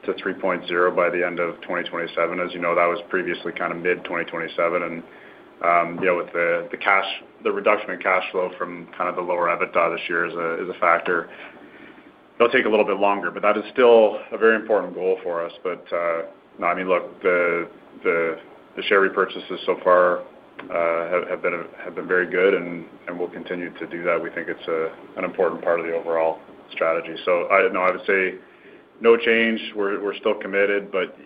S4: 3.0x by the end of 2027. As you know, that was previously kind of mid-2027. With the reduction in cash flow from kind of the lower EBITDA this year is a factor, it'll take a little bit longer. That is still a very important goal for us. I mean, look, the share repurchases so far have been very good, and we'll continue to do that. We think it's an important part of the overall strategy. I would say no change. We're still committed, but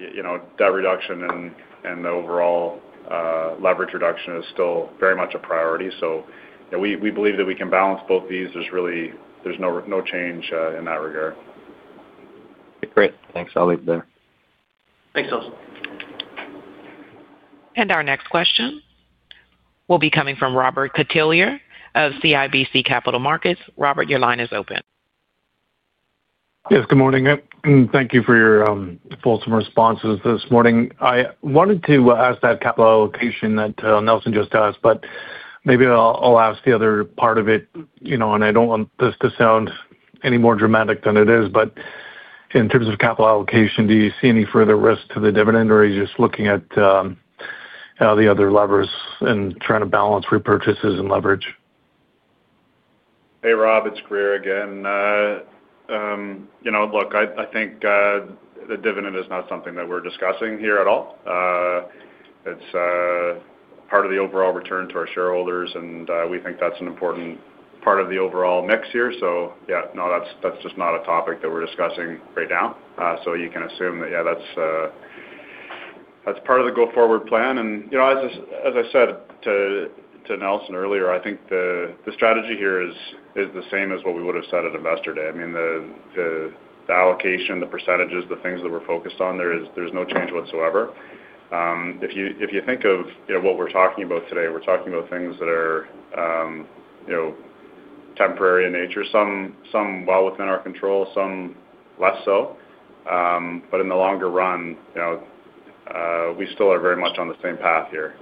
S4: debt reduction and the overall leverage reduction is still very much a priority. We believe that we can balance both these. There's no change in that regard.
S8: Okay. Great. Thanks. I'll leave it there.
S4: Thanks, Nelson.
S1: Our next question will be coming from Robert Catellier of CIBC Capital Markets. Robert, your line is open.
S9: Yes. Good morning. Thank you for your fulsome responses this morning. I wanted to ask that capital allocation that Nelson just asked, but maybe I'll ask the other part of it. I don't want this to sound any more dramatic than it is. In terms of capital allocation, do you see any further risk to the dividend, or are you just looking at the other levers and trying to balance repurchases and leverage?
S4: Hey, Rob. It's Grier again. Look, I think the dividend is not something that we're discussing here at all. It's part of the overall return to our shareholders, and we think that's an important part of the overall mix here. Yeah, no, that's just not a topic that we're discussing right now. You can assume that, yeah, that's part of the go-forward plan. As I said to Nelson earlier, I think the strategy here is the same as what we would have said at investor day. I mean, the allocation, the percentages, the things that we're focused on, there's no change whatsoever. If you think of what we're talking about today, we're talking about things that are temporary in nature, some well within our control, some less so. In the longer run, we still are very much on the same path here.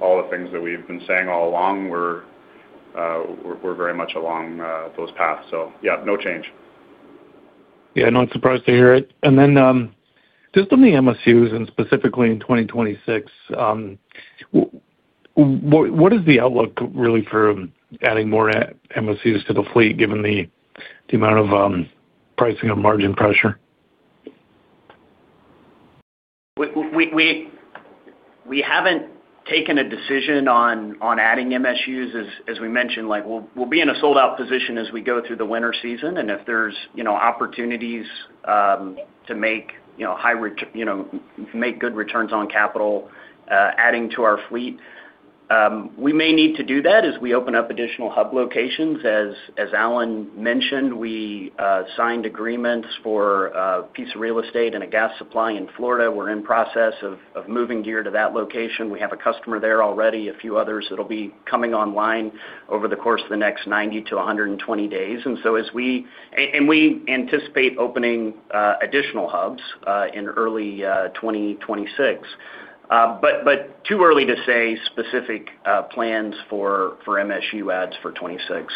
S4: All the things that we've been saying all along, we're very much along those paths. Yeah, no change.
S9: No, I'm surprised to hear it. Just on the MSUs and specifically in 2026, what is the outlook really for adding more MSUs to the fleet given the amount of pricing and margin pressure?
S7: We haven't taken a decision on adding MSUs. As we mentioned, we'll be in a sold-out position as we go through the winter season. If there's opportunities to make good returns on capital adding to our fleet, we may need to do that as we open up additional hub locations. As Allan mentioned, we signed agreements for a piece of real estate and a gas supply in Florida. We're in process of moving gear to that location. We have a customer there already, a few others that'll be coming online over the course of the next 90-120 days. As we anticipate opening additional hubs in early 2026, it's too early to say specific plans for MSU adds for 2026.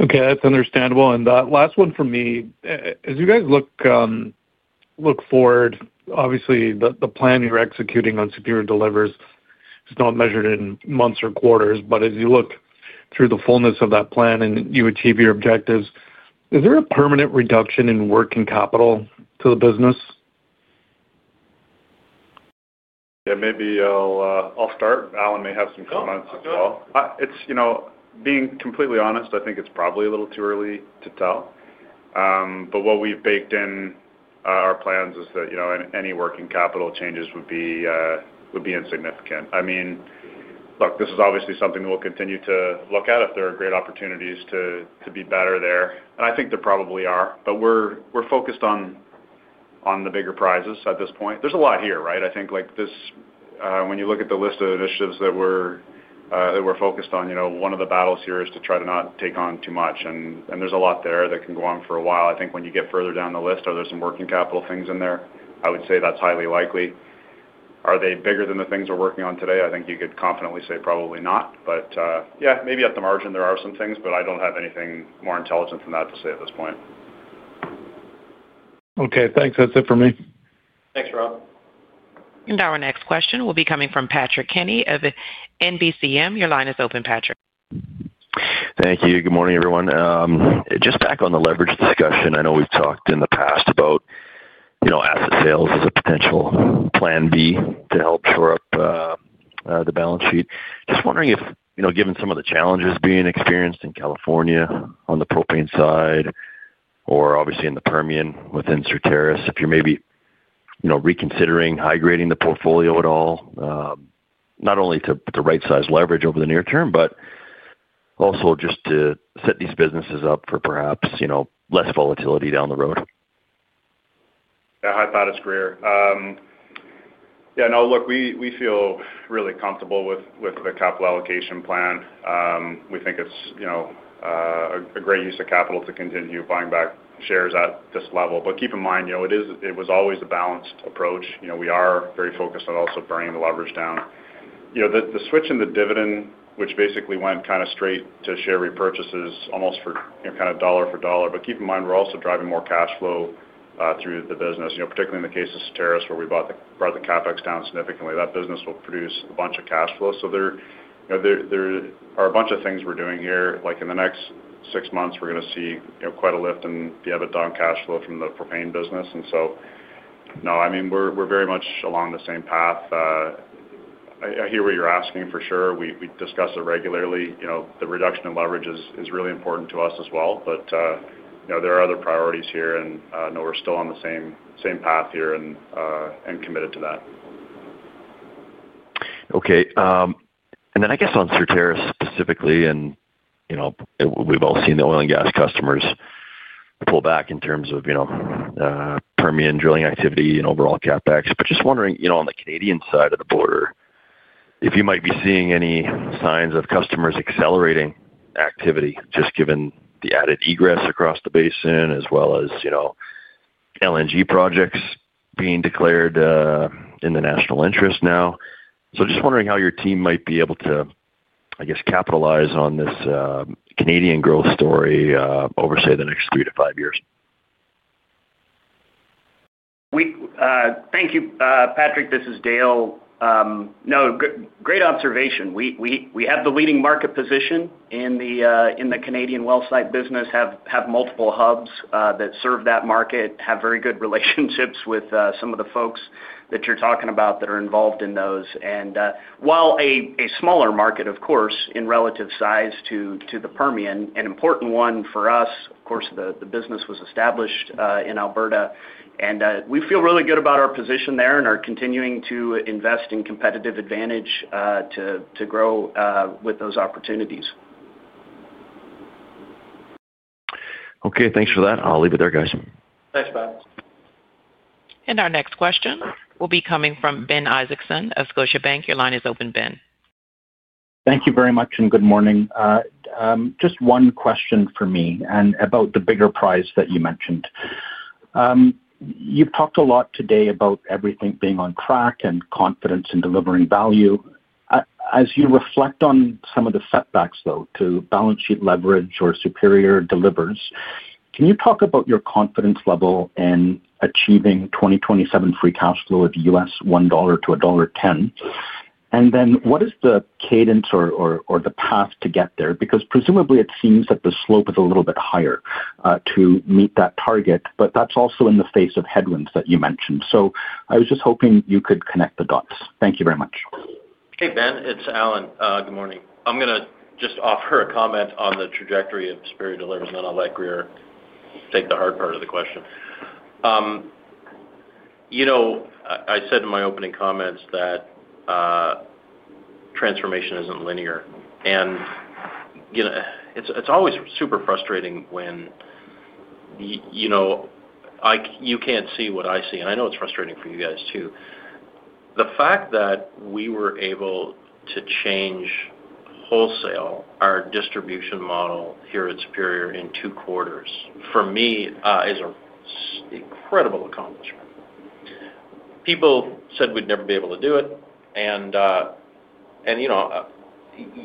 S9: Okay. That's understandable. Last one for me. As you guys look forward, obviously, the plan you're executing on Superior Delivers is not measured in months or quarters. As you look through the fullness of that plan and you achieve your objectives, is there a permanent reduction in working capital to the business?
S4: Yeah. Maybe I'll start. Allan may have some comments as well. Being completely honest, I think it's probably a little too early to tell. What we've baked in our plans is that any working capital changes would be insignificant. I mean, look, this is obviously something that we'll continue to look at if there are great opportunities to be better there. I think there probably are. We're focused on the bigger prizes at this point. There's a lot here, right? I think when you look at the list of initiatives that we're focused on, one of the battles here is to try to not take on too much. There's a lot there that can go on for a while. I think when you get further down the list, are there some working capital things in there? I would say that's highly likely. Are they bigger than the things we're working on today? I think you could confidently say probably not. Yeah, maybe at the margin, there are some things, but I don't have anything more intelligent than that to say at this point.
S9: Okay. Thanks. That's it for me.
S3: Thanks, Rob.
S1: Our next question will be coming from Patrick Kenny of NBCM. Your line is open, Patrick.
S10: Thank you. Good morning, everyone. Just back on the leverage discussion. I know we've talked in the past about asset sales as a potential plan B to help shore up the balance sheet. Just wondering if, given some of the challenges being experienced in California on the propane side or obviously in the Permian within Certarus, if you're maybe reconsidering high-grading the portfolio at all, not only to right-size leverage over the near term, but also just to set these businesses up for perhaps less volatility down the road?
S4: Yeah. No, look, we feel really comfortable with the capital allocation plan. We think it's a great use of capital to continue buying back shares at this level. Keep in mind, it was always a balanced approach. We are very focused on also burning the leverage down. The switch in the dividend, which basically went kind of straight to share repurchases almost for kind of dollar for dollar. Keep in mind, we're also driving more cash flow through the business, particularly in the case of Certarus, where we brought the CapEx down significantly. That business will produce a bunch of cash flow. There are a bunch of things we're doing here. In the next six months, we're going to see quite a lift in the EBITDA and cash flow from the propane business. No, I mean, we're very much along the same path. I hear what you're asking, for sure. We discuss it regularly. The reduction in leverage is really important to us as well. There are other priorities here. No, we're still on the same path here and committed to that.
S10: Okay. I guess on Certarus specifically, and we've all seen the oil and gas customers pull back in terms of Permian drilling activity and overall CapEx. Just wondering on the Canadian side of the border, if you might be seeing any signs of customers accelerating activity, just given the added egress across the basin as well as LNG projects being declared in the national interest now. Just wondering how your team might be able to, I guess, capitalize on this Canadian growth story over, say, the next three to five years.
S7: Thank you, Patrick. This is Dale. No, great observation. We have the leading market position in the Canadian well site business, have multiple hubs that serve that market, have very good relationships with some of the folks that you are talking about that are involved in those. While a smaller market, of course, in relative size to the Permian, an important one for us, of course, the business was established in Alberta. We feel really good about our position there and are continuing to invest in competitive advantage to grow with those opportunities.
S10: Okay. Thanks for that. I'll leave it there, guys.
S3: Thanks, Patrick.
S1: Our next question will be coming from Ben Isaacson of Scotiabank. Your line is open, Ben.
S11: Thank you very much and good morning. Just one question for me about the bigger prize that you mentioned. You've talked a lot today about everything being on track and confidence in delivering value. As you reflect on some of the setbacks, though, to balance sheet leverage or Superior Delivers, can you talk about your confidence level in achieving 2027 Free Cash Flow of $1-$1.10? What is the cadence or the path to get there? Because presumably, it seems that the slope is a little bit higher to meet that target, but that's also in the face of headwinds that you mentioned. I was just hoping you could connect the dots. Thank you very much.
S3: Hey, Ben. It's Allan. Good morning. I'm going to just offer a comment on the trajectory of Superior Delivers, and then I'll let Grier take the hard part of the question. I said in my opening comments that transformation isn't linear. It's always super frustrating when you can't see what I see. I know it's frustrating for you guys too. The fact that we were able to change wholesale our distribution model here at Superior in two quarters, for me, is an incredible accomplishment. People said we'd never be able to do it.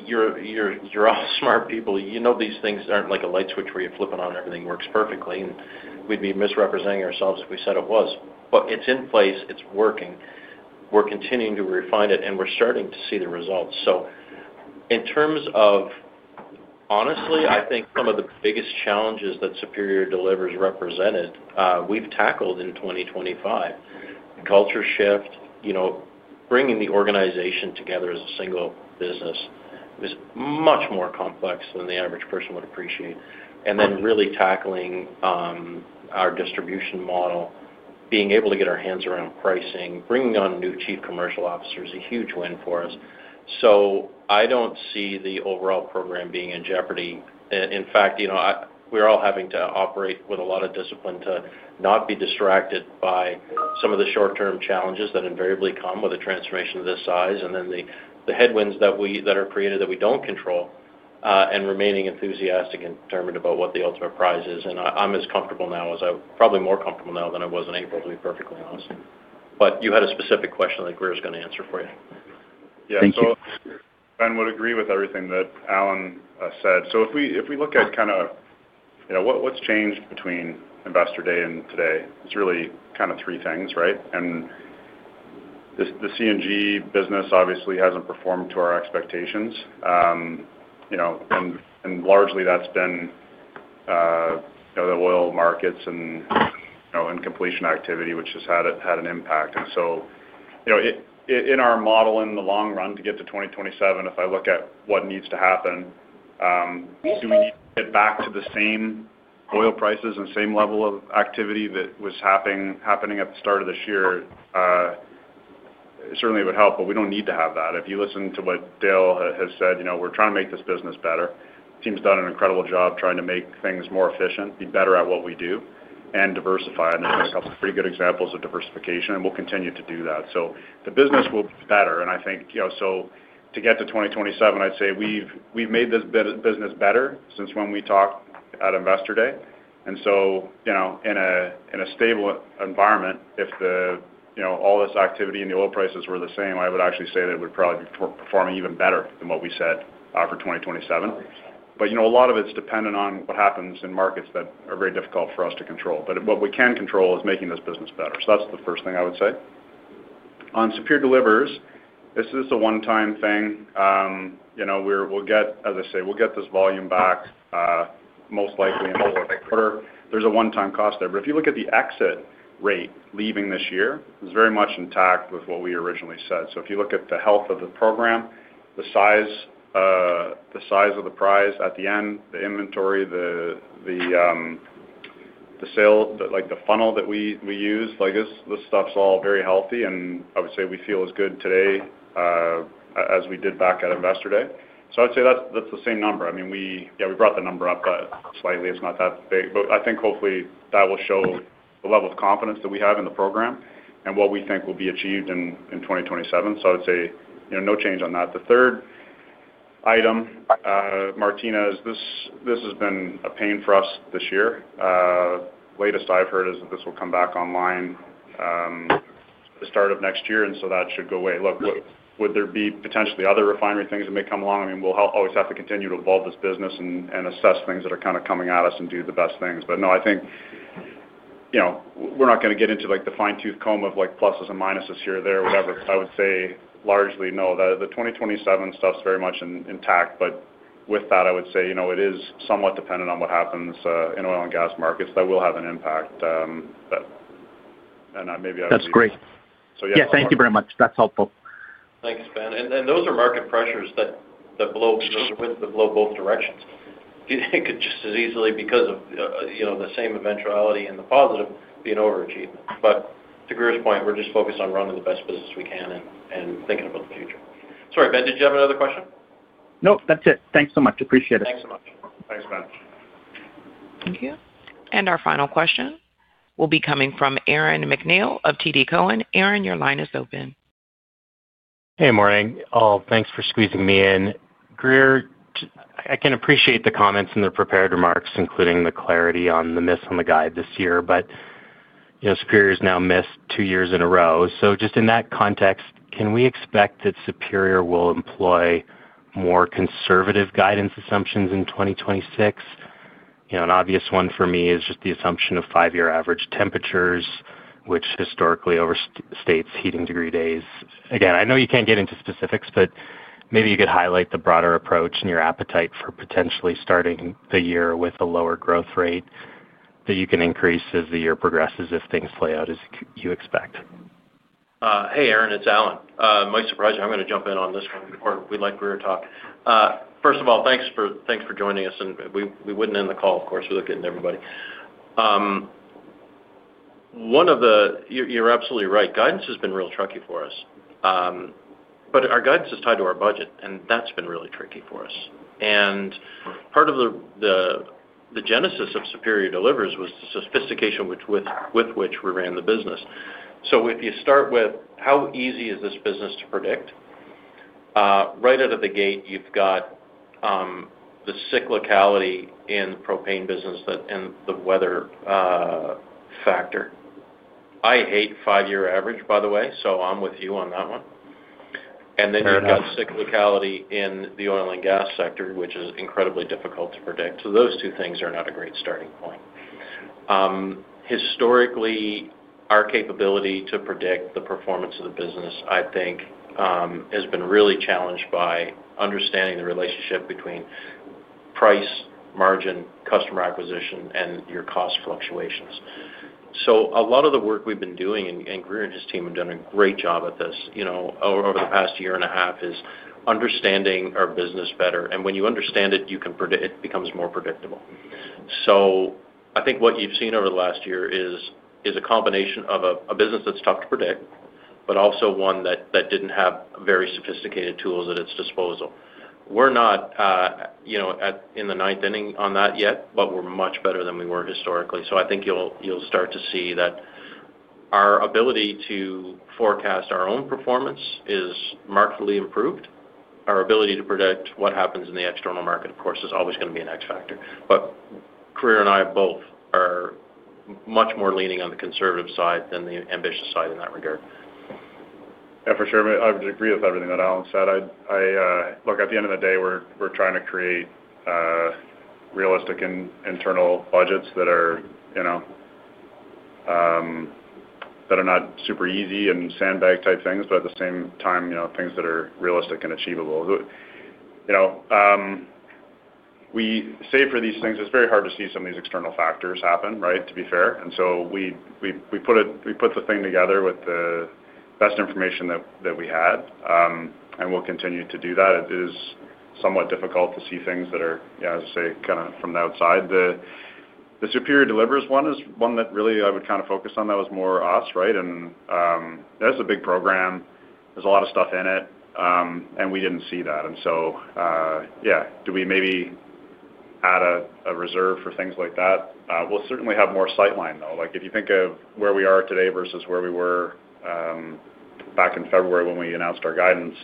S3: You're all smart people. You know these things are not like a light switch where you flip it on and everything works perfectly. We would be misrepresenting ourselves if we said it was. It is in place. It is working. We are continuing to refine it, and we are starting to see the results. In terms of honestly, I think some of the biggest challenges that Superior Plus represented, we have tackled in 2025. Culture shift, bringing the organization together as a single business was much more complex than the average person would appreciate. Really tackling our distribution model, being able to get our hands around pricing, bringing on new Chief Commercial Officers is a huge win for us. I do not see the overall program being in jeopardy. In fact, we're all having to operate with a lot of discipline to not be distracted by some of the short-term challenges that invariably come with a transformation of this size and then the headwinds that are created that we don't control and remaining enthusiastic and determined about what the ultimate prize is. I'm as comfortable now as I'm probably more comfortable now than I was in April, to be perfectly honest. You had a specific question that Grier was going to answer for you.
S4: Yeah. I would agree with everything that Allan said. If we look at kind of what's changed between investor day and today, it's really kind of three things, right? The CNG business obviously hasn't performed to our expectations. Largely, that's been the oil markets and completion activity, which has had an impact. In our model in the long run to get to 2027, if I look at what needs to happen, do we need to get back to the same oil prices and same level of activity that was happening at the start of this year? Certainly, it would help, but we do not need to have that. If you listen to what Dale has said, we are trying to make this business better. The team's done an incredible job trying to make things more efficient, be better at what we do, and diversify. There are a couple of pretty good examples of diversification, and we will continue to do that. The business will be better. I think to get to 2027, I would say we have made this business better since when we talked at investor day. In a stable environment, if all this activity and the oil prices were the same, I would actually say that we'd probably be performing even better than what we said for 2027. A lot of it's dependent on what happens in markets that are very difficult for us to control. What we can control is making this business better. That's the first thing I would say. On Superior Delivers, this is a one-time thing. As I say, we'll get this volume back most likely in the quarter. There's a one-time cost there. If you look at the exit rate leaving this year, it's very much intact with what we originally said. If you look at the health of the program, the size of the prize at the end, the inventory, the sale, the funnel that we use, this stuff's all very healthy. I would say we feel as good today as we did back at Investor Day. I would say that's the same number. I mean, yeah, we brought the number up slightly. It's not that big. I think hopefully that will show the level of confidence that we have in the program and what we think will be achieved in 2027. I would say no change on that. The third item, Martinez, this has been a pain for us this year. Latest I've heard is that this will come back online the start of next year, and that should go away. Look, would there be potentially other refinery things that may come along? I mean, we'll always have to continue to evolve this business and assess things that are kind of coming at us and do the best things. No, I think we're not going to get into the fine-tooth comb of pluses and minuses here or there, whatever. I would say largely, no, the 2027 stuff's very much intact. With that, I would say it is somewhat dependent on what happens in oil and gas markets that will have an impact. Maybe I was—
S11: That's great. Yeah. Thank you very much. That's helpful.
S3: Thanks, Ben. Those are market pressures that blow winds that blow both directions. It could just as easily, because of the same eventuality, and the positive being overachievement. To Grier's point, we're just focused on running the best business we can and thinking about the future. Sorry, Ben, did you have another question?
S11: No, that's it. Thanks so much. Appreciate it.
S3: Thanks, Ben.
S1: Thank you. Our final question will be coming from Aaron McNeil of TD Cowen. Aaron, your line is open.
S12: Hey, morning. Oh, thanks for squeezing me in. Grier, I can appreciate the comments and the prepared remarks, including the clarity on the miss on the guide this year. Superior has now missed two years in a row. Just in that context, can we expect that Superior will employ more conservative guidance assumptions in 2026? An obvious one for me is just the assumption of five-year average temperatures, which historically overstates heating degree days. Again, I know you can't get into specifics, but maybe you could highlight the broader approach and your appetite for potentially starting the year with a lower growth rate that you can increase as the year progresses if things play out as you expect.
S3: Hey, Aaron, it's Allan. My surprise, I'm going to jump in on this one. We like Grier talk. First of all, thanks for joining us. We would not end the call, of course. We are looking at everybody. One of the—you are absolutely right. Guidance has been real tricky for us. Our guidance is tied to our budget, and that has been really tricky for us. Part of the genesis of Superior Delivers was the sophistication with which we ran the business. If you start with how easy is this business to predict, right out of the gate, you have the cyclicality in the propane business and the weather factor. I hate five-year average, by the way, so I'm with you on that one. You have cyclicality in the oil and gas sector, which is incredibly difficult to predict. Those two things are not a great starting point. Historically, our capability to predict the performance of the business, I think, has been really challenged by understanding the relationship between price, margin, customer acquisition, and your cost fluctuations. A lot of the work we've been doing, and Grier and his team have done a great job at this over the past year and a half, is understanding our business better. When you understand it, it becomes more predictable. I think what you've seen over the last year is a combination of a business that's tough to predict, but also one that didn't have very sophisticated tools at its disposal. We're not in the ninth inning on that yet, but we're much better than we were historically. I think you'll start to see that our ability to forecast our own performance is markedly improved. Our ability to predict what happens in the external market, of course, is always going to be an X factor. Grier and I both are much more leaning on the conservative side than the ambitious side in that regard.
S4: Yeah, for sure. I would agree with everything that Allan said. Look, at the end of the day, we're trying to create realistic internal budgets that are not super easy and sandbag-type things, but at the same time, things that are realistic and achievable. We save for these things. It's very hard to see some of these external factors happen, right, to be fair. We put the thing together with the best information that we had, and we'll continue to do that. It is somewhat difficult to see things that are, as I say, kind of from the outside. The Superior Delivers one is one that really I would kind of focus on that was more us, right? And that's a big program. There's a lot of stuff in it, and we didn't see that. Yeah, do we maybe add a reserve for things like that? We'll certainly have more sightline, though. If you think of where we are today versus where we were back in February when we announced our guidance,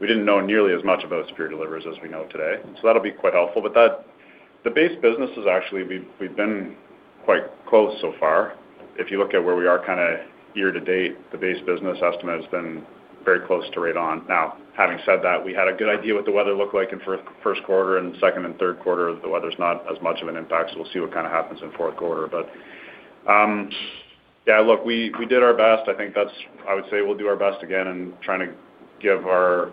S4: we didn't know nearly as much about Superior Delivers as we know today. That'll be quite helpful. The base business is actually we've been quite close so far. If you look at where we are kind of year to date, the base business estimate has been very close to right on. Now, having said that, we had a good idea what the weather looked like in first quarter. Second and third quarter, the weather's not as much of an impact. We'll see what kind of happens in fourth quarter. Yeah, look, we did our best. I think that's—I would say we'll do our best again in trying to give our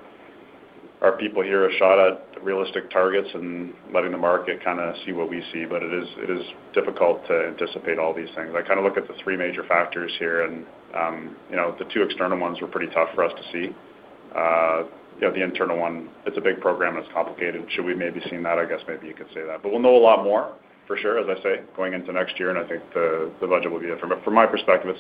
S4: people here a shot at realistic targets and letting the market kind of see what we see. It is difficult to anticipate all these things. I kind of look at the three major factors here, and the two external ones were pretty tough for us to see. The internal one, it's a big program. It's complicated. Should we maybe see that? I guess maybe you could say that. We'll know a lot more, for sure, as I say, going into next year. I think the budget will be different. From my perspective,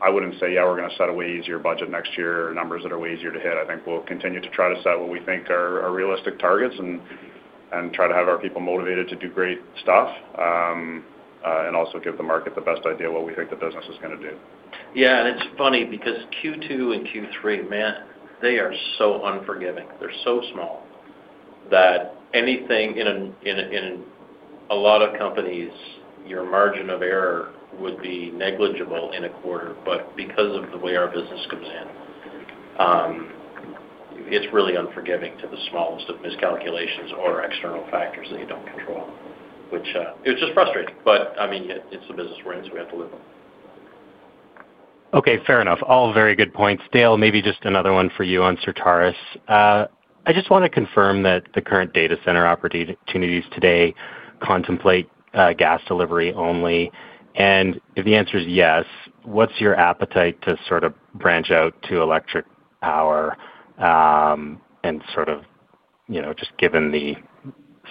S4: I would not say, "Yeah, we are going to set a way easier budget next year," or numbers that are way easier to hit. I think we will continue to try to set what we think are realistic targets and try to have our people motivated to do great stuff and also give the market the best idea of what we think the business is going to do.
S7: Yeah. It is funny because Q2 and Q3, man, they are so unforgiving. They are so small that anything, in a lot of companies, your margin of error would be negligible in a quarter. Because of the way our business comes in, it is really unforgiving to the smallest of miscalculations or external factors that you do not control, which is just frustrating. I mean, it is the business we are in, so we have to live with it.
S12: Okay. Fair enough. All very good points. Dale, maybe just another one for you on Certarus. I just want to confirm that the current data center opportunities today contemplate gas delivery only. If the answer is yes, what's your appetite to sort of branch out to electric power and sort of just given that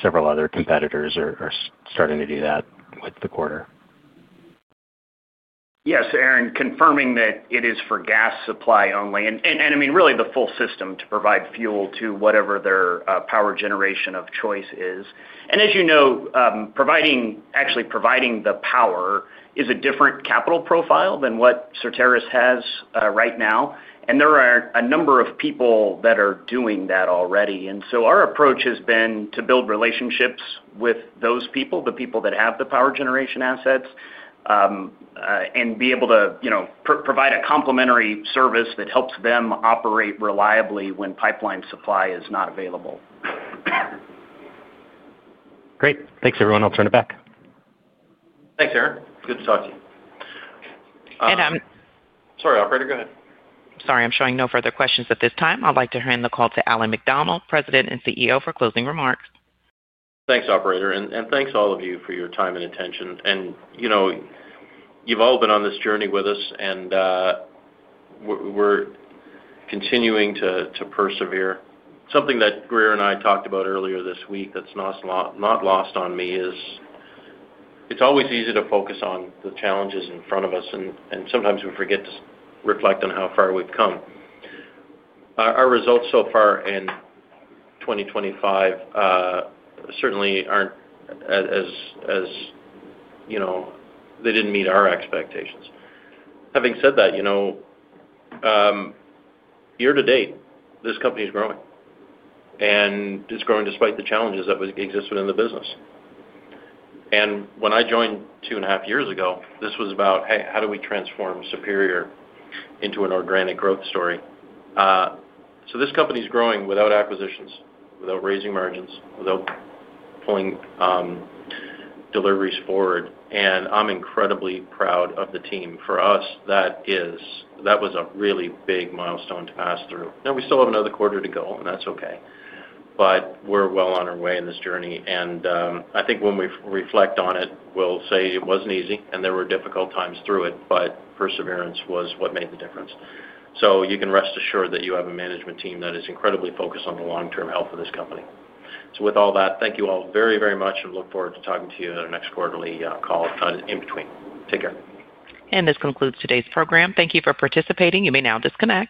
S12: several other competitors are starting to do that with the quarter?
S7: Yes. Aaron, confirming that it is for gas supply only. I mean, really the full system to provide fuel to whatever their power generation of choice is. As you know, actually providing the power is a different capital profile than what Certarus has right now. There are a number of people that are doing that already. Our approach has been to build relationships with those people, the people that have the power generation assets, and be able to provide a complementary service that helps them operate reliably when pipeline supply is not available.
S12: Great. Thanks, everyone. I'll turn it back.
S3: Thanks, Aaron. Good to talk to you. Sorry, operator, go ahead.
S1: Sorry. I'm showing no further questions at this time. I'd like to hand the call to Allan MacDonald, President and CEO, for closing remarks.
S3: Thanks, operator. And thanks all of you for your time and attention. You've all been on this journey with us, and we're continuing to persevere. Something that Grier and I talked about earlier this week that's not lost on me is it's always easy to focus on the challenges in front of us, and sometimes we forget to reflect on how far we've come. Our results so far in 2025 certainly are not as—they did not meet our expectations. Having said that, year to date, this company is growing. It is growing despite the challenges that exist within the business. When I joined two and a half years ago, this was about, "Hey, how do we transform Superior into an organic growth story?" This company is growing without acquisitions, without raising margins, without pulling deliveries forward. I am incredibly proud of the team. For us, that was a really big milestone to pass through. We still have another quarter to go, and that is okay. We are well on our way in this journey. I think when we reflect on it, we will say it was not easy, and there were difficult times through it, but perseverance was what made the difference. You can rest assured that you have a management team that is incredibly focused on the long-term health of this company. With all that, thank you all very, very much, and look forward to talking to you at our next quarterly call in between. Take care.
S1: This concludes today's program. Thank you for participating. You may now disconnect.